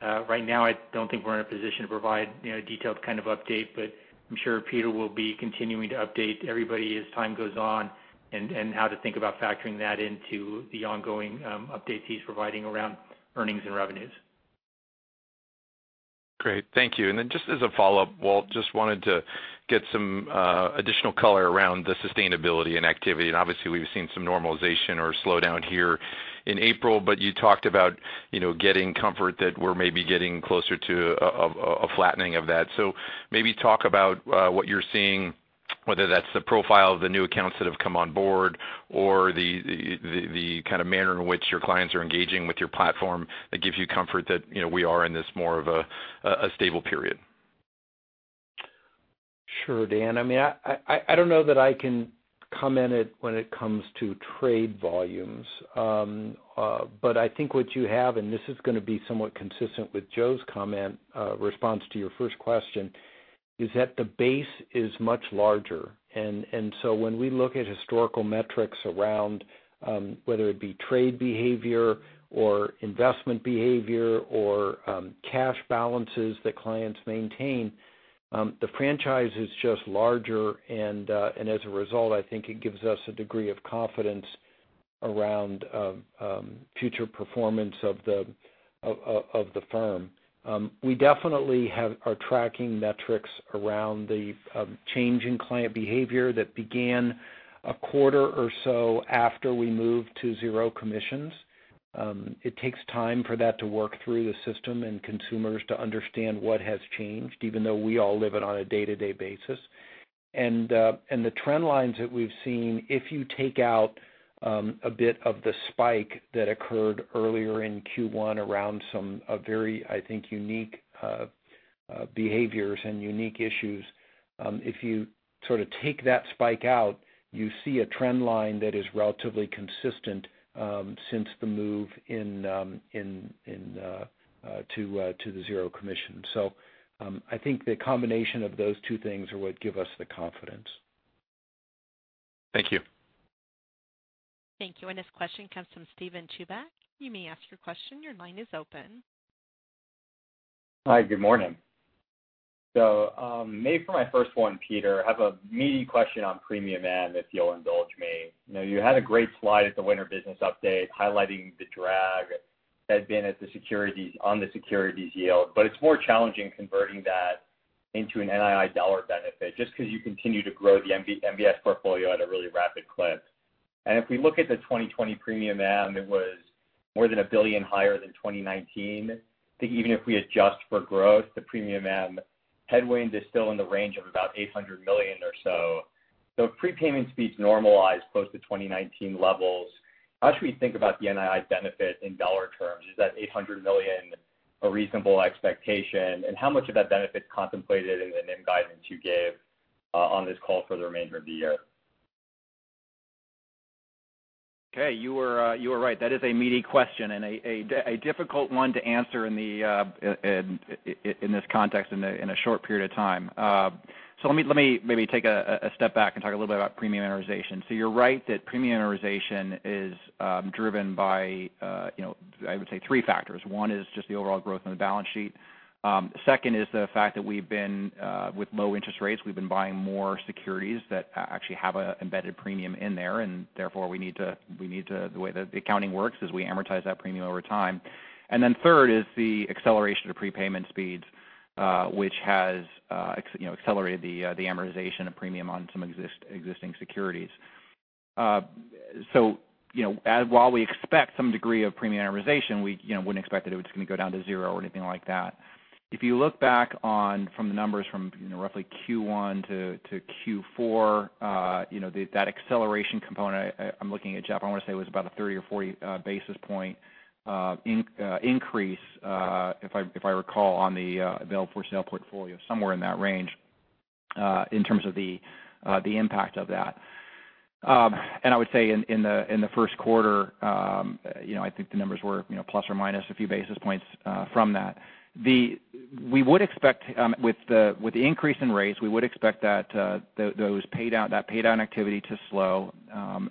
Right now, I don't think we're in a position to provide a detailed kind of update, but I'm sure Peter will be continuing to update everybody as time goes on and how to think about factoring that into the ongoing updates he's providing around earnings and revenues. Great. Thank you. Just as a follow-up, Walt, just wanted to get some additional color around the sustainability and activity. Obviously, we've seen some normalization or slowdown here in April, but you talked about getting comfort that we're maybe getting closer to a flattening of that. Maybe talk about what you're seeing, whether that's the profile of the new accounts that have come on board or the kind of manner in which your clients are engaging with your platform that gives you comfort that we are in this more of a stable period. Sure, Dan. I don't know that I can comment when it comes to trade volumes. I think what you have, and this is going to be somewhat consistent with Joe's comment response to your first question, is that the base is much larger. When we look at historical metrics around whether it be trade behavior or investment behavior or cash balances that clients maintain, the franchise is just larger and, as a result, I think it gives us a degree of confidence around future performance of the firm. We definitely are tracking metrics around the change in client behavior that began a quarter or so after we moved to zero commissions. It takes time for that to work through the system and consumers to understand what has changed, even though we all live it on a day-to-day basis. The trend lines that we've seen, if you take out a bit of the spike that occurred earlier in Q1 around some very, I think, unique behaviors and unique issues. If you sort of take that spike out, you see a trend line that is relatively consistent since the move to the zero commission. I think the combination of those two things are what give us the confidence. Thank you. Thank you. This question comes from Steven Chubak. You may ask your question. Your line is open. Hi, good morning. Maybe for my first one, Peter, I have a meaty question on premium amortization, if you'll indulge me. You had a great slide at the winter business update highlighting the drag that had been on the securities yield, but it's more challenging converting that into an NII dollar benefit just because you continue to grow the MBS portfolio at a really rapid clip. If we look at the 2020 premium amortization, it was more than $1 billion higher than 2019. I think even if we adjust for growth, the premium amortization headwind is still in the range of about $800 million or so. If prepayment speeds normalize close to 2019 levels, how should we think about the NII benefit in dollar terms? Is that $800 million a reasonable expectation? How much of that benefit's contemplated in the NIM guidance you gave on this call for the remainder of the year? Okay. You were right. That is a meaty question and a difficult one to answer in this context in a short period of time. Let me maybe take a step back and talk a little bit about premium amortization. You're right that premium amortization is driven by I would say three factors. One is just the overall growth in the balance sheet. Second is the fact that with low interest rates, we've been buying more securities that actually have an embedded premium in there, and therefore the way the accounting works is we amortize that premium over time. Then third is the acceleration of prepayment speeds which has accelerated the amortization of premium on some existing securities. While we expect some degree of premium amortization, we wouldn't expect that it was going to go down to zero or anything like that. If you look back from the numbers from roughly Q1-Q4, that acceleration component, I'm looking at Jeff, I want to say was about a 30 or 40 basis point increase, if I recall, on the available for sale portfolio, somewhere in that range in terms of the impact of that. I would say in the first quarter, I think the numbers were plus or minus a few basis points from that. With the increase in rates, we would expect that pay down activity to slow,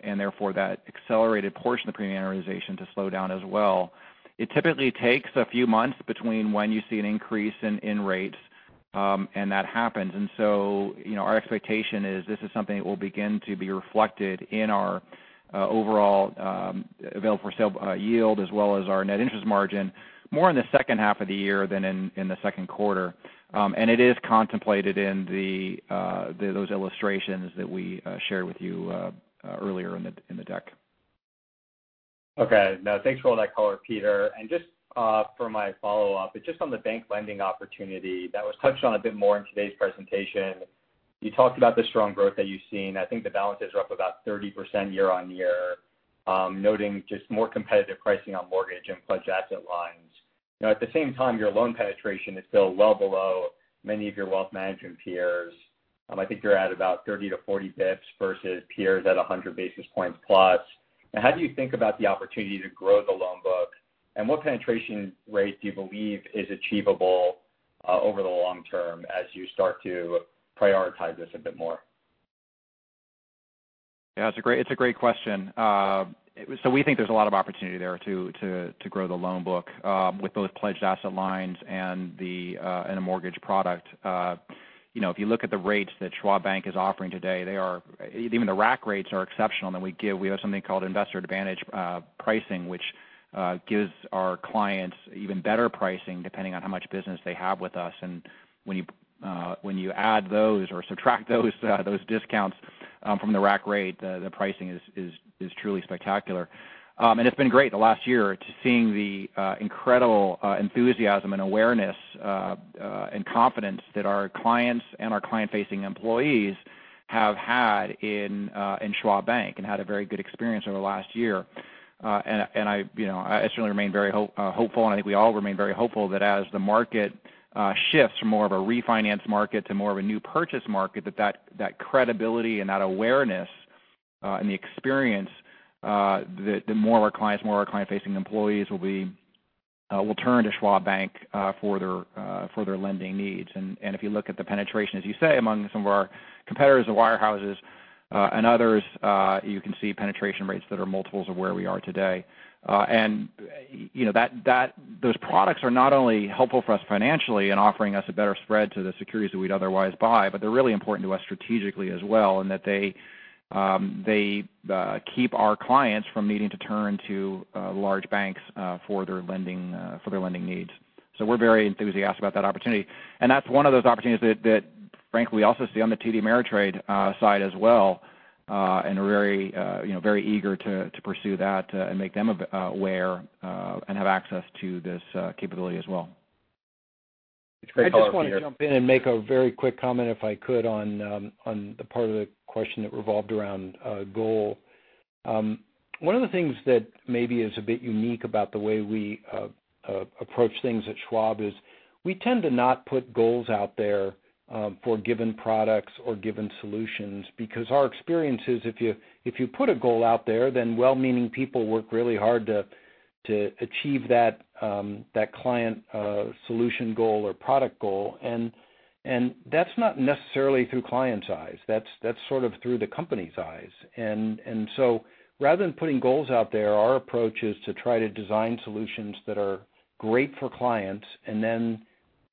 and therefore that accelerated portion of the premium amortization to slow down as well. It typically takes a few months between when you see an increase in rates and that happens. Our expectation is this is something that will begin to be reflected in our overall available-for-sale yield as well as our net interest margin more in the second half of the year than in the second quarter. It is contemplated in those illustrations that we shared with you earlier in the deck. Okay. No, thanks for all that color, Peter. Just for my follow-up, but just on the bank lending opportunity that was touched on a bit more in today's presentation. You talked about the strong growth that you've seen. I think the balances are up about 30% year-over-year, noting just more competitive pricing on mortgage and pledged asset lines. At the same time, your loan penetration is still well below many of your wealth management peers. I think you're at about 30-40 basis points versus peers at 100 basis points plus. Now, how do you think about the opportunity to grow the loan book? What penetration rate do you believe is achievable over the long term as you start to prioritize this a bit more? It's a great question. We think there's a lot of opportunity there to grow the loan book with both pledged asset lines and a mortgage product. If you look at the rates that Schwab Bank is offering today, even the rack rates are exceptional than we give. We have something called Investor Advantage Pricing, which gives our clients even better pricing depending on how much business they have with us. When you add those or subtract those discounts from the rack rate, the pricing is truly spectacular. It's been great the last year just seeing the incredible enthusiasm and awareness and confidence that our clients and our client-facing employees have had in Schwab Bank and had a very good experience over the last year. I certainly remain very hopeful, and I think we all remain very hopeful that as the market shifts from more of a refinance market to more of a new purchase market, that credibility and that awareness and the experience that more of our clients, more of our client-facing employees will turn to Schwab Bank for their lending needs. If you look at the penetration, as you say, among some of our competitors, the wirehouses and others, you can see penetration rates that are multiples of where we are today. Those products are not only helpful for us financially in offering us a better spread to the securities that we'd otherwise buy, but they're really important to us strategically as well in that they keep our clients from needing to turn to large banks for their lending needs. We're very enthusiastic about that opportunity. That's one of those opportunities that, frankly, we also see on the TD Ameritrade side as well and are very eager to pursue that and make them aware and have access to this capability as well. It's great color here. I just want to jump in and make a very quick comment, if I could, on the part of the question that revolved around goal. One of the things that maybe is a bit unique about the way we approach things at Schwab is we tend to not put goals out there for given products or given solutions because our experience is if you put a goal out there, then well-meaning people work really hard to achieve that client solution goal or product goal. That's not necessarily through clients' eyes. That's sort of through the company's eyes. Rather than putting goals out there, our approach is to try to design solutions that are great for clients, and then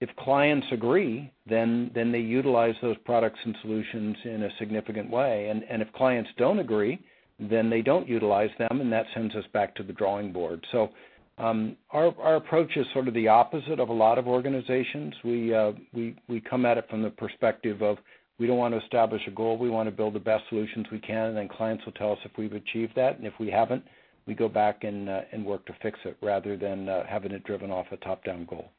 if clients agree, then they utilize those products and solutions in a significant way. If clients don't agree, then they don't utilize them, and that sends us back to the drawing board. Our approach is sort of the opposite of a lot of organizations. We come at it from the perspective of we don't want to establish a goal. We want to build the best solutions we can, and then clients will tell us if we've achieved that. If we haven't, we go back and work to fix it rather than having it driven off a top-down goal.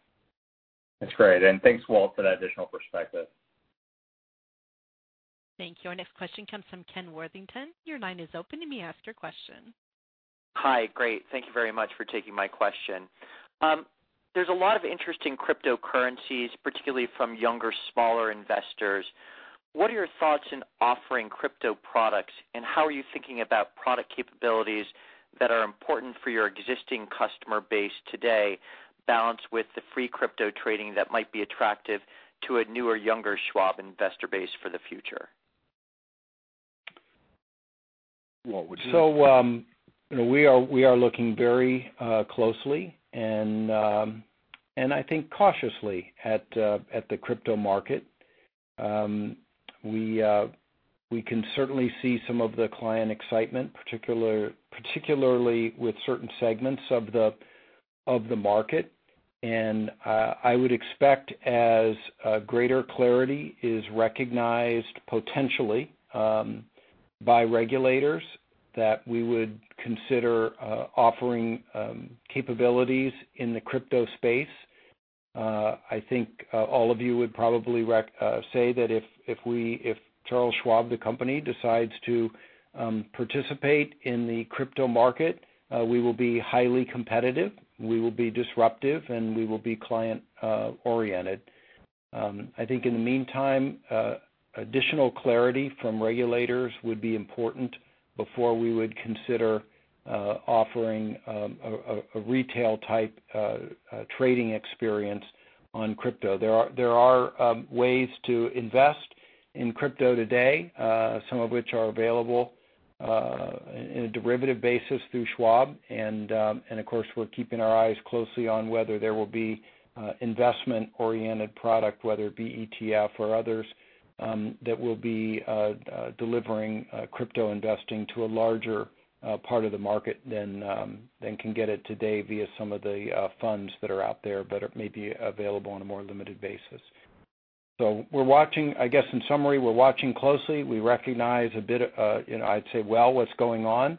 That's great. Thanks, Walt, for that additional perspective. Thank you. Our next question comes from Ken Worthington. Hi. Great. Thank you very much for taking my question. There's a lot of interest in cryptocurrencies, particularly from younger, smaller investors. What are your thoughts in offering crypto products, and how are you thinking about product capabilities that are important for your existing customer base today balanced with the free crypto trading that might be attractive to a newer, younger Schwab investor base for the future? Walt, would you like to. We are looking very closely and I think cautiously at the crypto market. We can certainly see some of the client excitement, particularly with certain segments of the market. I would expect as greater clarity is recognized potentially by regulators that we would consider offering capabilities in the crypto space. I think all of you would probably say that if Charles Schwab, the company, decides to participate in the crypto market, we will be highly competitive, we will be disruptive, and we will be client-oriented. I think in the meantime, additional clarity from regulators would be important before we would consider offering a retail-type trading experience on crypto. There are ways to invest in crypto today, some of which are available in a derivative basis through Schwab. Of course, we're keeping our eyes closely on whether there will be investment-oriented product, whether it be ETF or others, that will be delivering crypto investing to a larger part of the market than can get it today via some of the funds that are out there but may be available on a more limited basis. I guess in summary, we're watching closely. We recognize a bit, I'd say well what's going on.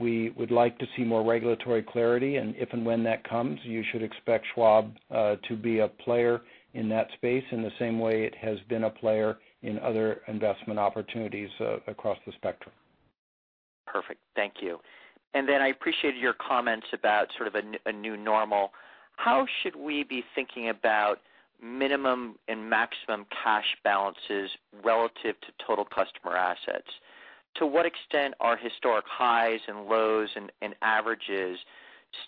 We would like to see more regulatory clarity and if and when that comes, you should expect Schwab to be a player in that space in the same way it has been a player in other investment opportunities across the spectrum. Perfect. Thank you. I appreciated your comments about sort of a new normal. How should we be thinking about minimum and maximum cash balances relative to total customer assets? To what extent are historic highs and lows and averages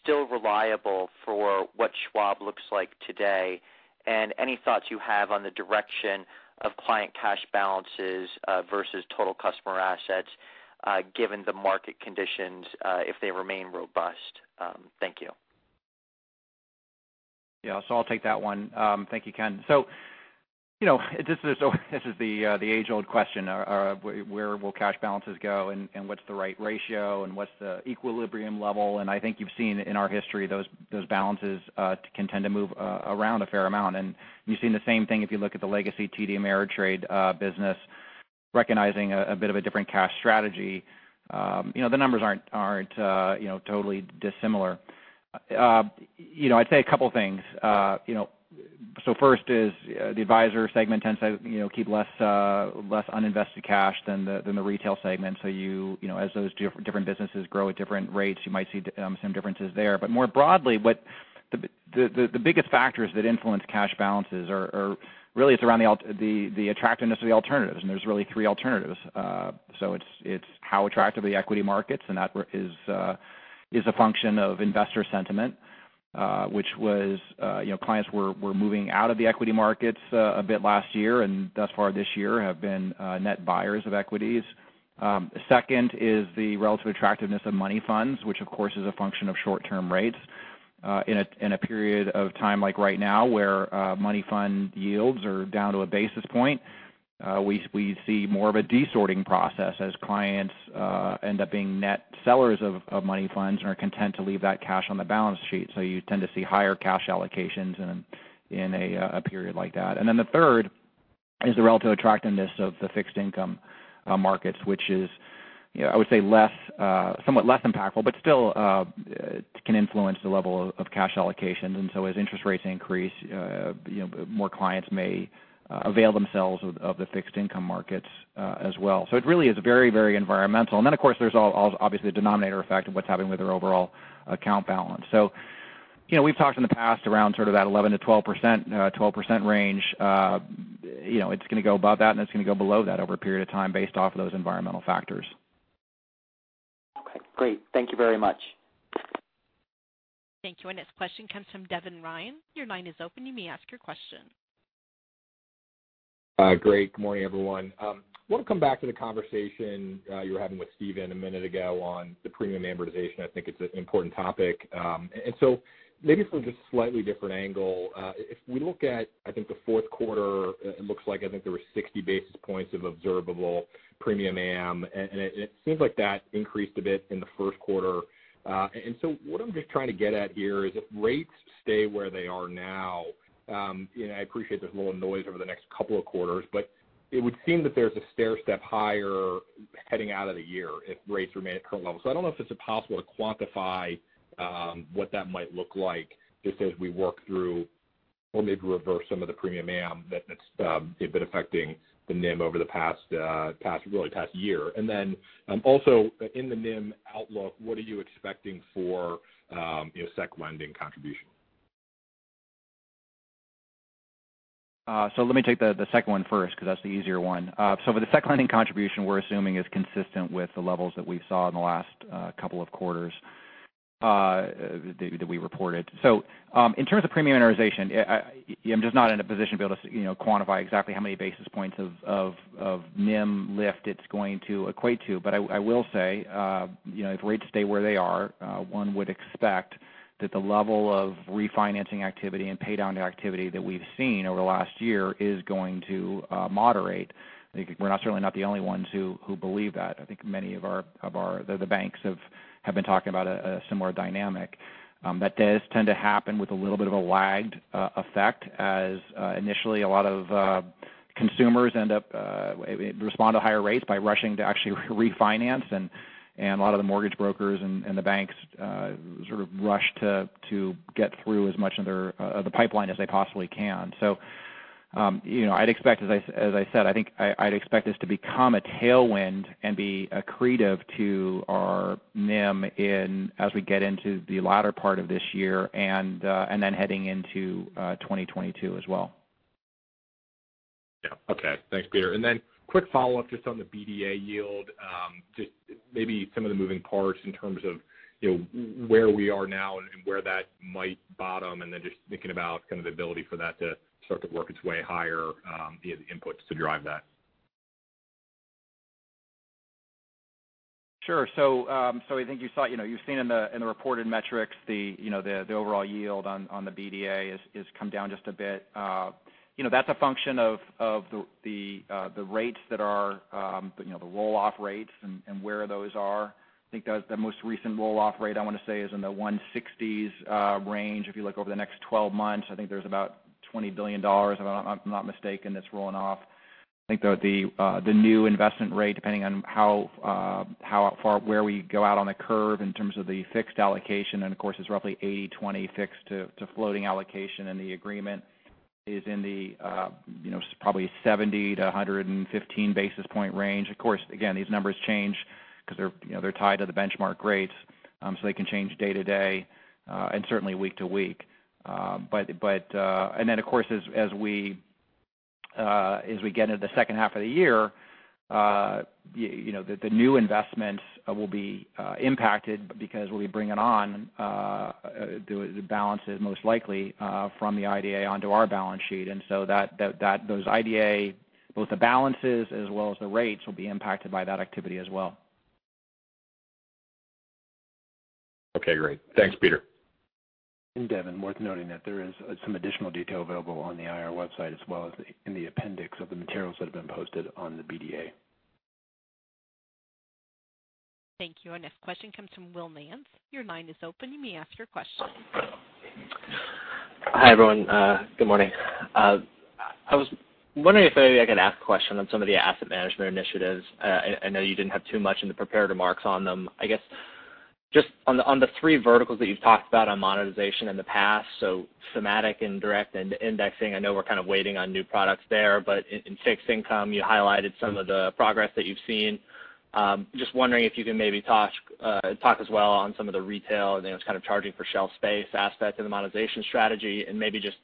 still reliable for what Schwab looks like today? Any thoughts you have on the direction of client cash balances versus total customer assets given the market conditions if they remain robust? Thank you. Yeah. I'll take that one. Thank you, Ken. This is the age-old question of where will cash balances go and what's the right ratio and what's the equilibrium level. I think you've seen in our history those balances can tend to move around a fair amount. You've seen the same thing if you look at the legacy TD Ameritrade business, recognizing a bit of a different cash strategy. The numbers aren't totally dissimilar. I'd say a couple things. First is the advisor segment tends to keep less uninvested cash than the retail segment. As those different businesses grow at different rates, you might see some differences there. More broadly, the biggest factors that influence cash balances are really it's around the attractiveness of the alternatives, and there's really three alternatives. It's how attractive the equity market is, and that is a function of investor sentiment which was clients were moving out of the equity markets a bit last year, and thus far this year have been net buyers of equities. Second is the relative attractiveness of money funds, which of course is a function of short-term rates. In a period of time like right now where money fund yields are down to a basis point, we see more of a desorting process as clients end up being net sellers of money funds and are content to leave that cash on the balance sheet. You tend to see higher cash allocations in a period like that. The third is the relative attractiveness of the fixed income markets, which is, I would say somewhat less impactful, but still can influence the level of cash allocations. As interest rates increase, more clients may avail themselves of the fixed income markets as well. It really is very environmental. Then, of course, there's obviously a denominator effect of what's happening with their overall account balance. We've talked in the past around sort of that 11%-12% range. It's going to go above that, and it's going to go below that over a period of time based off of those environmental factors. Okay, great. Thank you very much. Thank you. Our next question comes from Devin Ryan. Your line is open. You may ask your question. Great. Good morning, everyone. I want to come back to the conversation you were having with Steven a minute ago on the premium amortization. I think it's an important topic. Maybe from just a slightly different angle. If we look at the fourth quarter, there were 60 basis points of observable premium amortization, and it seems like that increased a bit in the first quarter. What I'm just trying to get at here is if rates stay where they are now, and I appreciate there's a little noise over the next couple of quarters, but it would seem that there's a stairstep higher heading out of the year if rates remain at current levels. I don't know if this is possible to quantify what that might look like just as we work through or maybe reverse some of the premium amortization that's been affecting the NIM over the past really past year. Also in the NIM outlook, what are you expecting for sec lending contribution? Let me take the second one first because that's the easier one. For the sec lending contribution, we're assuming is consistent with the levels that we saw in the last couple of quarters that we reported. In terms of premium amortization, I'm just not in a position to be able to quantify exactly how many basis points of NIM lift it's going to equate to. I will say if rates stay where they are, one would expect that the level of refinancing activity and pay down the activity that we've seen over the last year is going to moderate. We're certainly not the only ones who believe that. I think many of the banks have been talking about a similar dynamic. That does tend to happen with a little bit of a lagged effect as initially a lot of consumers end up respond to higher rates by rushing to actually refinance. A lot of the mortgage brokers and the banks sort of rush to get through as much of the pipeline as they possibly can. I'd expect, as I said, I think I'd expect this to become a tailwind and be accretive to our NIM as we get into the latter part of this year and then heading into 2022 as well. Yeah. Okay. Thanks, Peter. Quick follow-up just on the BDA yield. Just maybe some of the moving parts in terms of where we are now and where that might bottom, just thinking about kind of the ability for that to start to work its way higher via the inputs to drive that. Sure. I think you've seen in the reported metrics the overall yield on the BDA has come down just a bit. That's a function of the roll-off rates and where those are. I think the most recent roll-off rate I want to say is in the 160s range. If you look over the next 12 months, I think there's about $20 billion, if I'm not mistaken, that's rolling off. I think the new investment rate depending on where we go out on the curve in terms of the fixed allocation. Of course, it's roughly 80/20 fixed to floating allocation in the agreement is in the probably 70-115 basis point range. Of course, again, these numbers change because they're tied to the benchmark rates, so they can change day to day and certainly week to week. Of course, as we get into the second half of the year the new investments will be impacted because we'll be bringing on the balances most likely from the IDA onto our balance sheet. Those IDA, both the balances as well as the rates, will be impacted by that activity as well. Okay, great. Thanks, Peter. Devin, worth noting that there is some additional detail available on the IR website as well as in the appendix of the materials that have been posted on the BDA. Thank you. Our next question comes from Will Nance. Your line is open. You may ask your question. Hi, everyone. Good morning. I was wondering if maybe I could ask a question on some of the asset management initiatives. I know you didn't have too much in the prepared remarks on them. I guess, just on the three verticals that you've talked about on monetization in the past, so thematic and direct and indexing. I know we're kind of waiting on new products there, but in fixed income, you highlighted some of the progress that you've seen. Just wondering if you can maybe talk as well on some of the retail and then just kind of charging for shelf space aspect of the monetization strategy and maybe just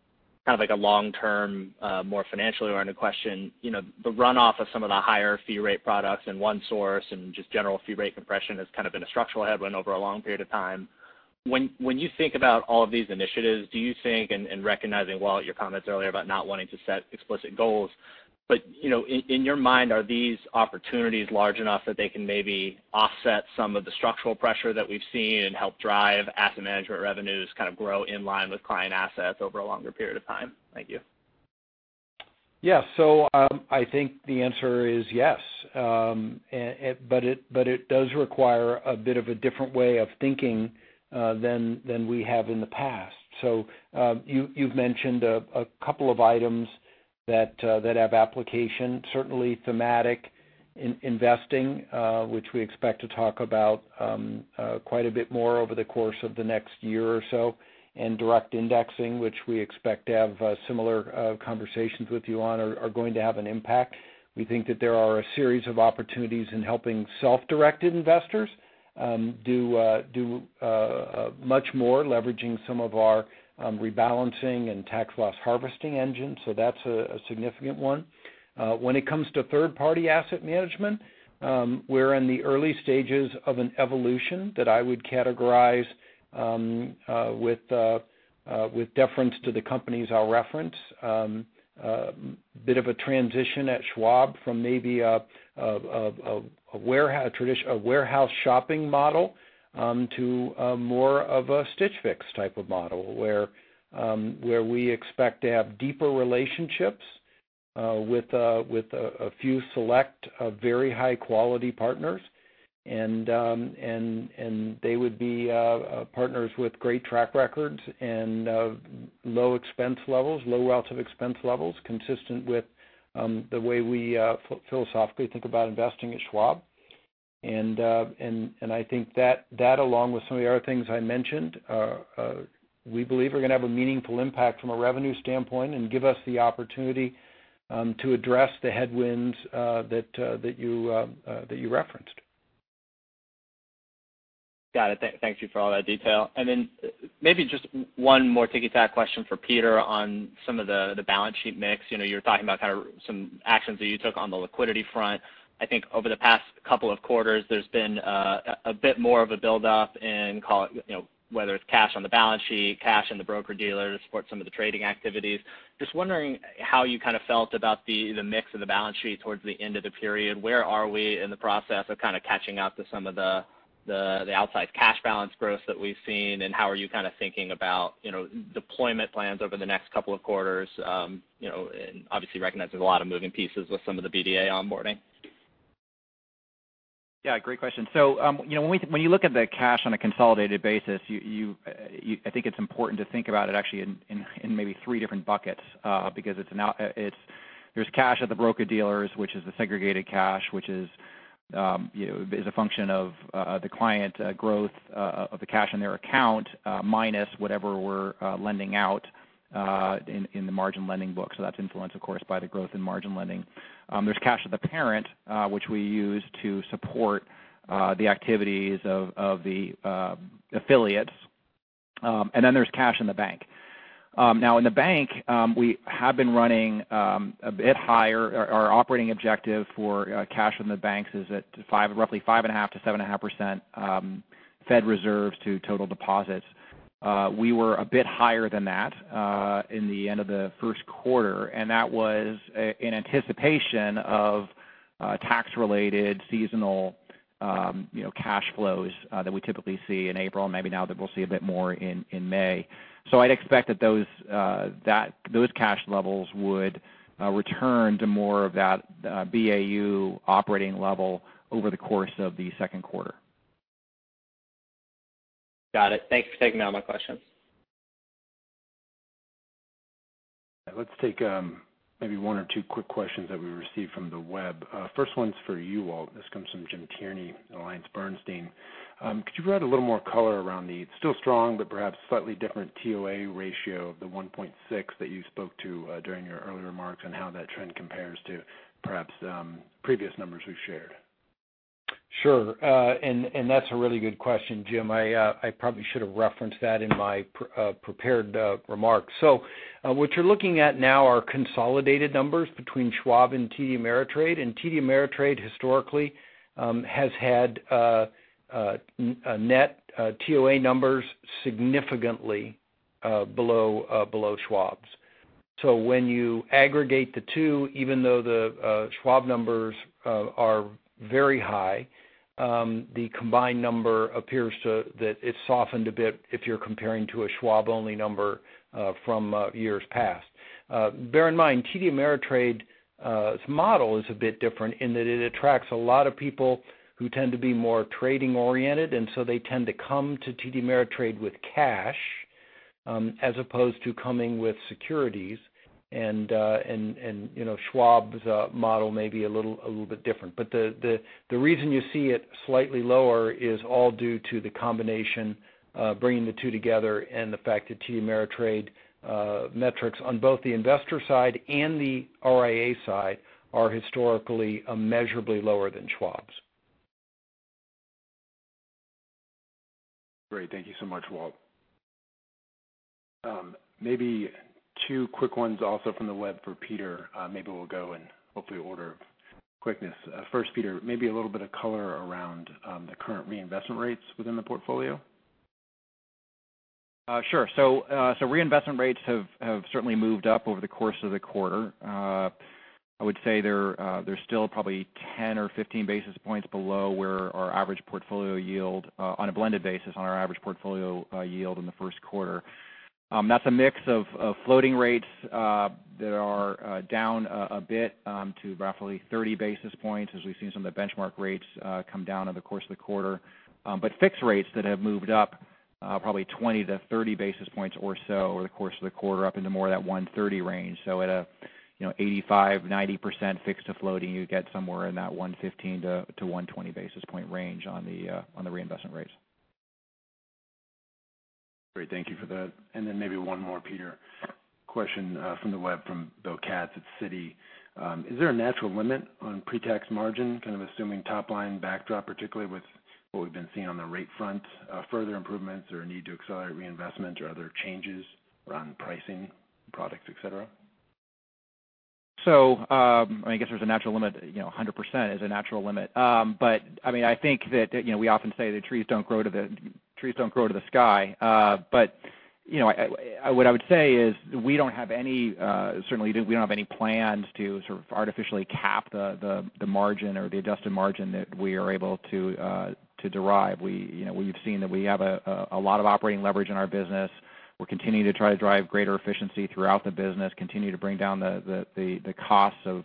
kind of like a long-term, more financially-oriented question. The runoff of some of the higher fee rate products and OneSource and just general fee rate compression has kind of been a structural headwind over a long period of time. When you think about all of these initiatives, do you think, and recognizing, Walt, your comments earlier about not wanting to set explicit goals. In your mind, are these opportunities large enough that they can maybe offset some of the structural pressure that we've seen and help drive asset management revenues, kind of grow in line with client assets over a longer period of time? Thank you. Yeah. I think the answer is yes. It does require a bit of a different way of thinking than we have in the past. You've mentioned a couple of items that have application. Certainly thematic investing, which we expect to talk about quite a bit more over the course of the next year or so, and direct indexing, which we expect to have similar conversations with you on, are going to have an impact. We think that there are a series of opportunities in helping self-directed investors do much more, leveraging some of our rebalancing and tax loss harvesting engine. That's a significant one. When it comes to third-party asset management, we're in the early stages of an evolution that I would categorize with deference to the companies I'll reference, a bit of a transition at Schwab from maybe a warehouse shopping model, to more of a Stitch Fix type of model, where we expect to have deeper relationships with a few select, very high-quality partners. They would be partners with great track records and low expense levels, low relative expense levels consistent with the way we philosophically think about investing at Schwab. I think that, along with some of the other things I mentioned, we believe are going to have a meaningful impact from a revenue standpoint and give us the opportunity to address the headwinds that you referenced. Got it. Thank you for all that detail. Maybe just one more tick-tack question for Peter on some of the balance sheet mix. You're talking about kind of some actions that you took on the liquidity front. I think over the past couple of quarters, there's been a bit more of a build-up in, call it, whether it's cash on the balance sheet, cash in the broker-dealer to support some of the trading activities. Just wondering how you kind of felt about the mix of the balance sheet towards the end of the period. Where are we in the process of kind of catching up to some of the outside cash balance growth that we've seen, and how are you kind of thinking about deployment plans over the next couple of quarters? Obviously recognize there's a lot of moving pieces with some of the BDA onboarding. Yeah, great question. When you look at the cash on a consolidated basis, I think it's important to think about it actually in maybe three different buckets because there's cash at the broker-dealers, which is the segregated cash, which is a function of the client growth of the cash in their account, minus whatever we're lending out in the margin lending book. That's influenced, of course, by the growth in margin lending. There's cash at the parent, which we use to support the activities of the affiliates, and then there's cash in the bank. Now in the bank, we have been running a bit higher. Our operating objective for cash in the banks is at roughly 5.5%-7.5% Fed reserves to total deposits. We were a bit higher than that in the end of the first quarter. That was in anticipation of tax-related seasonal cash flows that we typically see in April, maybe now that we'll see a bit more in May. I'd expect that those cash levels would return to more of that BAU operating level over the course of the second quarter. Got it. Thanks for taking all my questions. Let's take maybe one or two quick questions that we received from the web. First one's for you, Walt. This comes from James Tierney at AllianceBernstein. Could you provide a little more color around the still strong but perhaps slightly different TOA ratio of the 1.6 that you spoke to during your earlier remarks, and how that trend compares to perhaps previous numbers we've shared? Sure. That's a really good question, Jim. I probably should have referenced that in my prepared remarks. What you're looking at now are consolidated numbers between Schwab and TD Ameritrade. TD Ameritrade historically has had net TOA numbers significantly below Schwab's. When you aggregate the two, even though the Schwab numbers are very high, the combined number appears that it softened a bit if you're comparing to a Schwab-only number from years past. Bear in mind, TD Ameritrade's model is a bit different in that it attracts a lot of people who tend to be more trading oriented, and so they tend to come to TD Ameritrade with cash, as opposed to coming with securities. Schwab's model may be a little bit different. The reason you see it slightly lower is all due to the combination, bringing the two together, and the fact that TD Ameritrade metrics on both the investor side and the RIA side are historically immeasurably lower than Schwab's. Great. Thank you so much, Walt. Maybe two quick ones also from the web for Peter. Maybe we'll go in hopefully order of quickness. First, Peter, maybe a little bit of color around the current reinvestment rates within the portfolio. Sure. Reinvestment rates have certainly moved up over the course of the quarter. I would say they're still probably 10 or 15 basis points below where our average portfolio yield, on a blended basis on our average portfolio yield in the first quarter. That's a mix of floating rates that are down a bit to roughly 30 basis points as we've seen some of the benchmark rates come down over the course of the quarter. Fixed rates that have moved up probably 20-30 basis points or so over the course of the quarter, up into more of that 130 range. At an 85%, 90% fixed to floating, you get somewhere in that 115-120 basis point range on the reinvestment rates. Great. Thank you for that. Then maybe one more, Peter. Question from the web from Bill Katz at Citi. Is there a natural limit on pre-tax margin, kind of assuming top-line backdrop, particularly with what we've been seeing on the rate front, further improvements or a need to accelerate reinvestment or other changes around pricing products, et cetera? I guess there's a natural limit, 100% is a natural limit. I think that we often say that trees don't grow to the sky. What I would say is we don't have any plans to sort of artificially cap the margin or the adjusted margin that we are able to derive. We've seen that we have a lot of operating leverage in our business. We're continuing to try to drive greater efficiency throughout the business, continue to bring down the costs of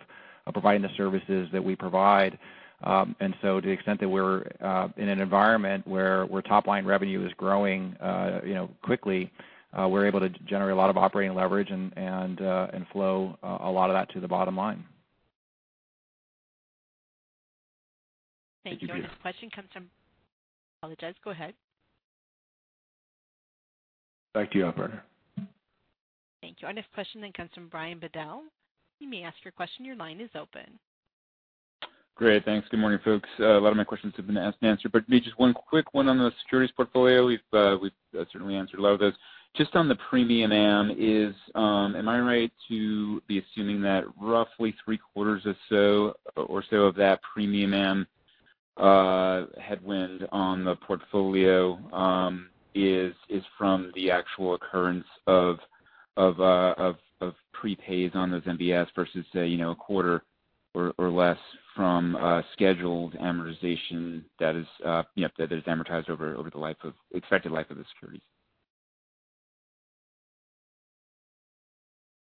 providing the services that we provide. To the extent that we're in an environment where top-line revenue is growing quickly, we're able to generate a lot of operating leverage and flow a lot of that to the bottom line. Thank you, Peter. Thank you. Our next question comes from. Apologize, go ahead. Back to you, operator. Thank you. Our next question comes from Brian Bedell. Great. Thanks. Good morning, folks. A lot of my questions have been asked and answered. Maybe just one quick one on the securities portfolio. We've certainly answered a lot of those. Just on the premium amortization, am I right to be assuming that roughly three quarters or so of that premium amortization headwind on the portfolio is from the actual occurrence of prepays on those MBS versus, say, a quarter or less from scheduled amortization that is amortized over the expected life of the securities?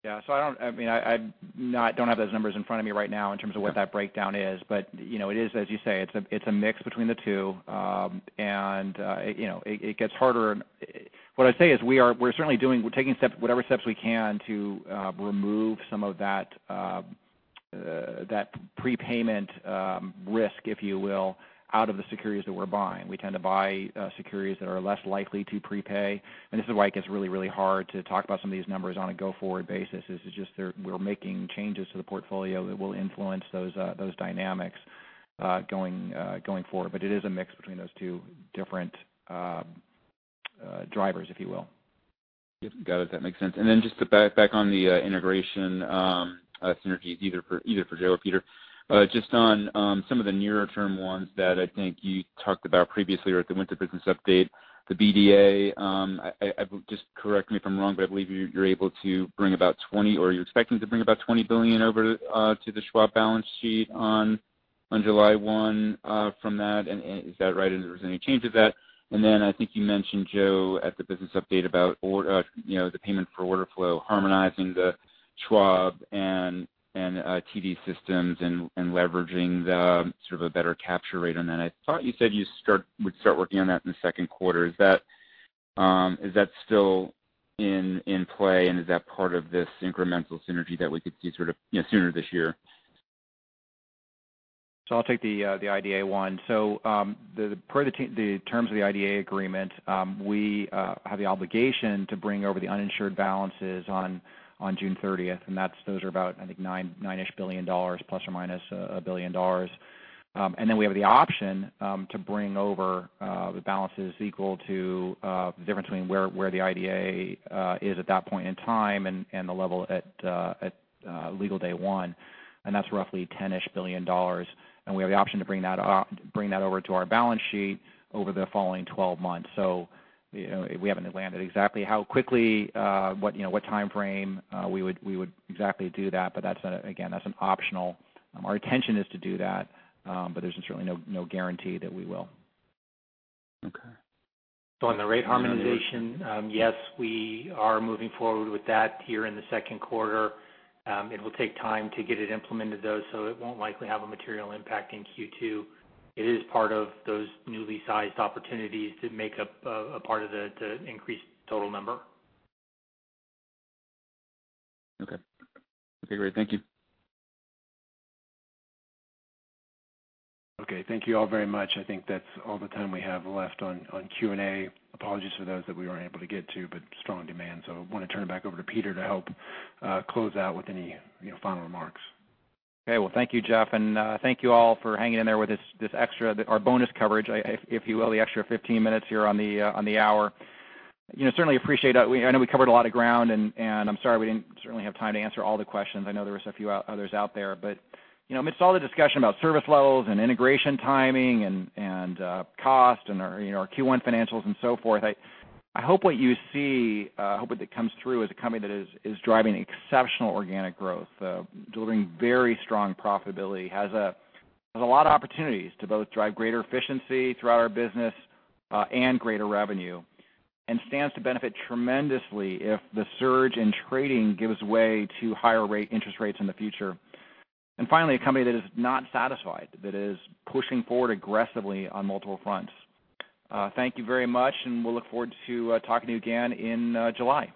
Yeah. I don't have those numbers in front of me right now in terms of what that breakdown is. It is, as you say, it's a mix between the two. What I say is we're certainly taking whatever steps we can to remove some of that prepayment risk, if you will, out of the securities that we're buying. We tend to buy securities that are less likely to prepay. This is why it gets really, really hard to talk about some of these numbers on a go-forward basis, is it's just we're making changes to the portfolio that will influence those dynamics going forward. It is a mix between those two different drivers, if you will. Yep. Got it. That makes sense. Then just to back on the integration synergies, either for Joe or Peter, just on some of the nearer term ones that I think you talked about previously or at the winter business update, the BDA. Just correct me if I'm wrong, but I believe you're expecting to bring about $20 billion over to the Schwab balance sheet on July 1 from that. Is that right? If there's any change to that. Then I think you mentioned, Joe, at the business update about the payment for order flow harmonizing the Schwab and TD systems and leveraging the sort of a better capture rate on that. I thought you said you would start working on that in the second quarter. Is that still in play, and is that part of this incremental synergy that we could see sort of sooner this year? I'll take the IDA one. Per the terms of the IDA agreement, we have the obligation to bring over the uninsured balances on June 30th, and those are about, I think $9-ish billion ± $1 billion. We have the option to bring over the balances equal to the difference between where the IDA is at that point in time and the level at legal day one, and that's roughly $10-ish billion. We have the option to bring that over to our balance sheet over the following 12 months. We haven't landed exactly how quickly, what timeframe we would exactly do that, but again, that's an optional. Our intention is to do that, but there's certainly no guarantee that we will. Okay. On the rate harmonization, yes, we are moving forward with that here in the second quarter. It will take time to get it implemented, though, so it won't likely have a material impact in Q2. It is part of those newly sized opportunities that make up a part of the increased total number. Okay. Great. Thank you. Okay. Thank you all very much. I think that's all the time we have left on Q&A. Apologies to those that we weren't able to get to, but strong demand. I want to turn it back over to Peter to help close out with any final remarks. Thank you, Jeff, and thank you all for hanging in there with our bonus coverage, if you will, the extra 15 minutes here on the hour. Certainly appreciate that. I know we covered a lot of ground, and I'm sorry we didn't certainly have time to answer all the questions. I know there were a few others out there. Amidst all the discussion about service levels and integration timing and cost and our Q1 financials and so forth, I hope what you see, I hope what comes through is a company that is driving exceptional organic growth, delivering very strong profitability, has a lot of opportunities to both drive greater efficiency throughout our business and greater revenue, and stands to benefit tremendously if the surge in trading gives way to higher interest rates in the future. Finally, a company that is not satisfied, that is pushing forward aggressively on multiple fronts. Thank you very much, and we'll look forward to talking to you again in July.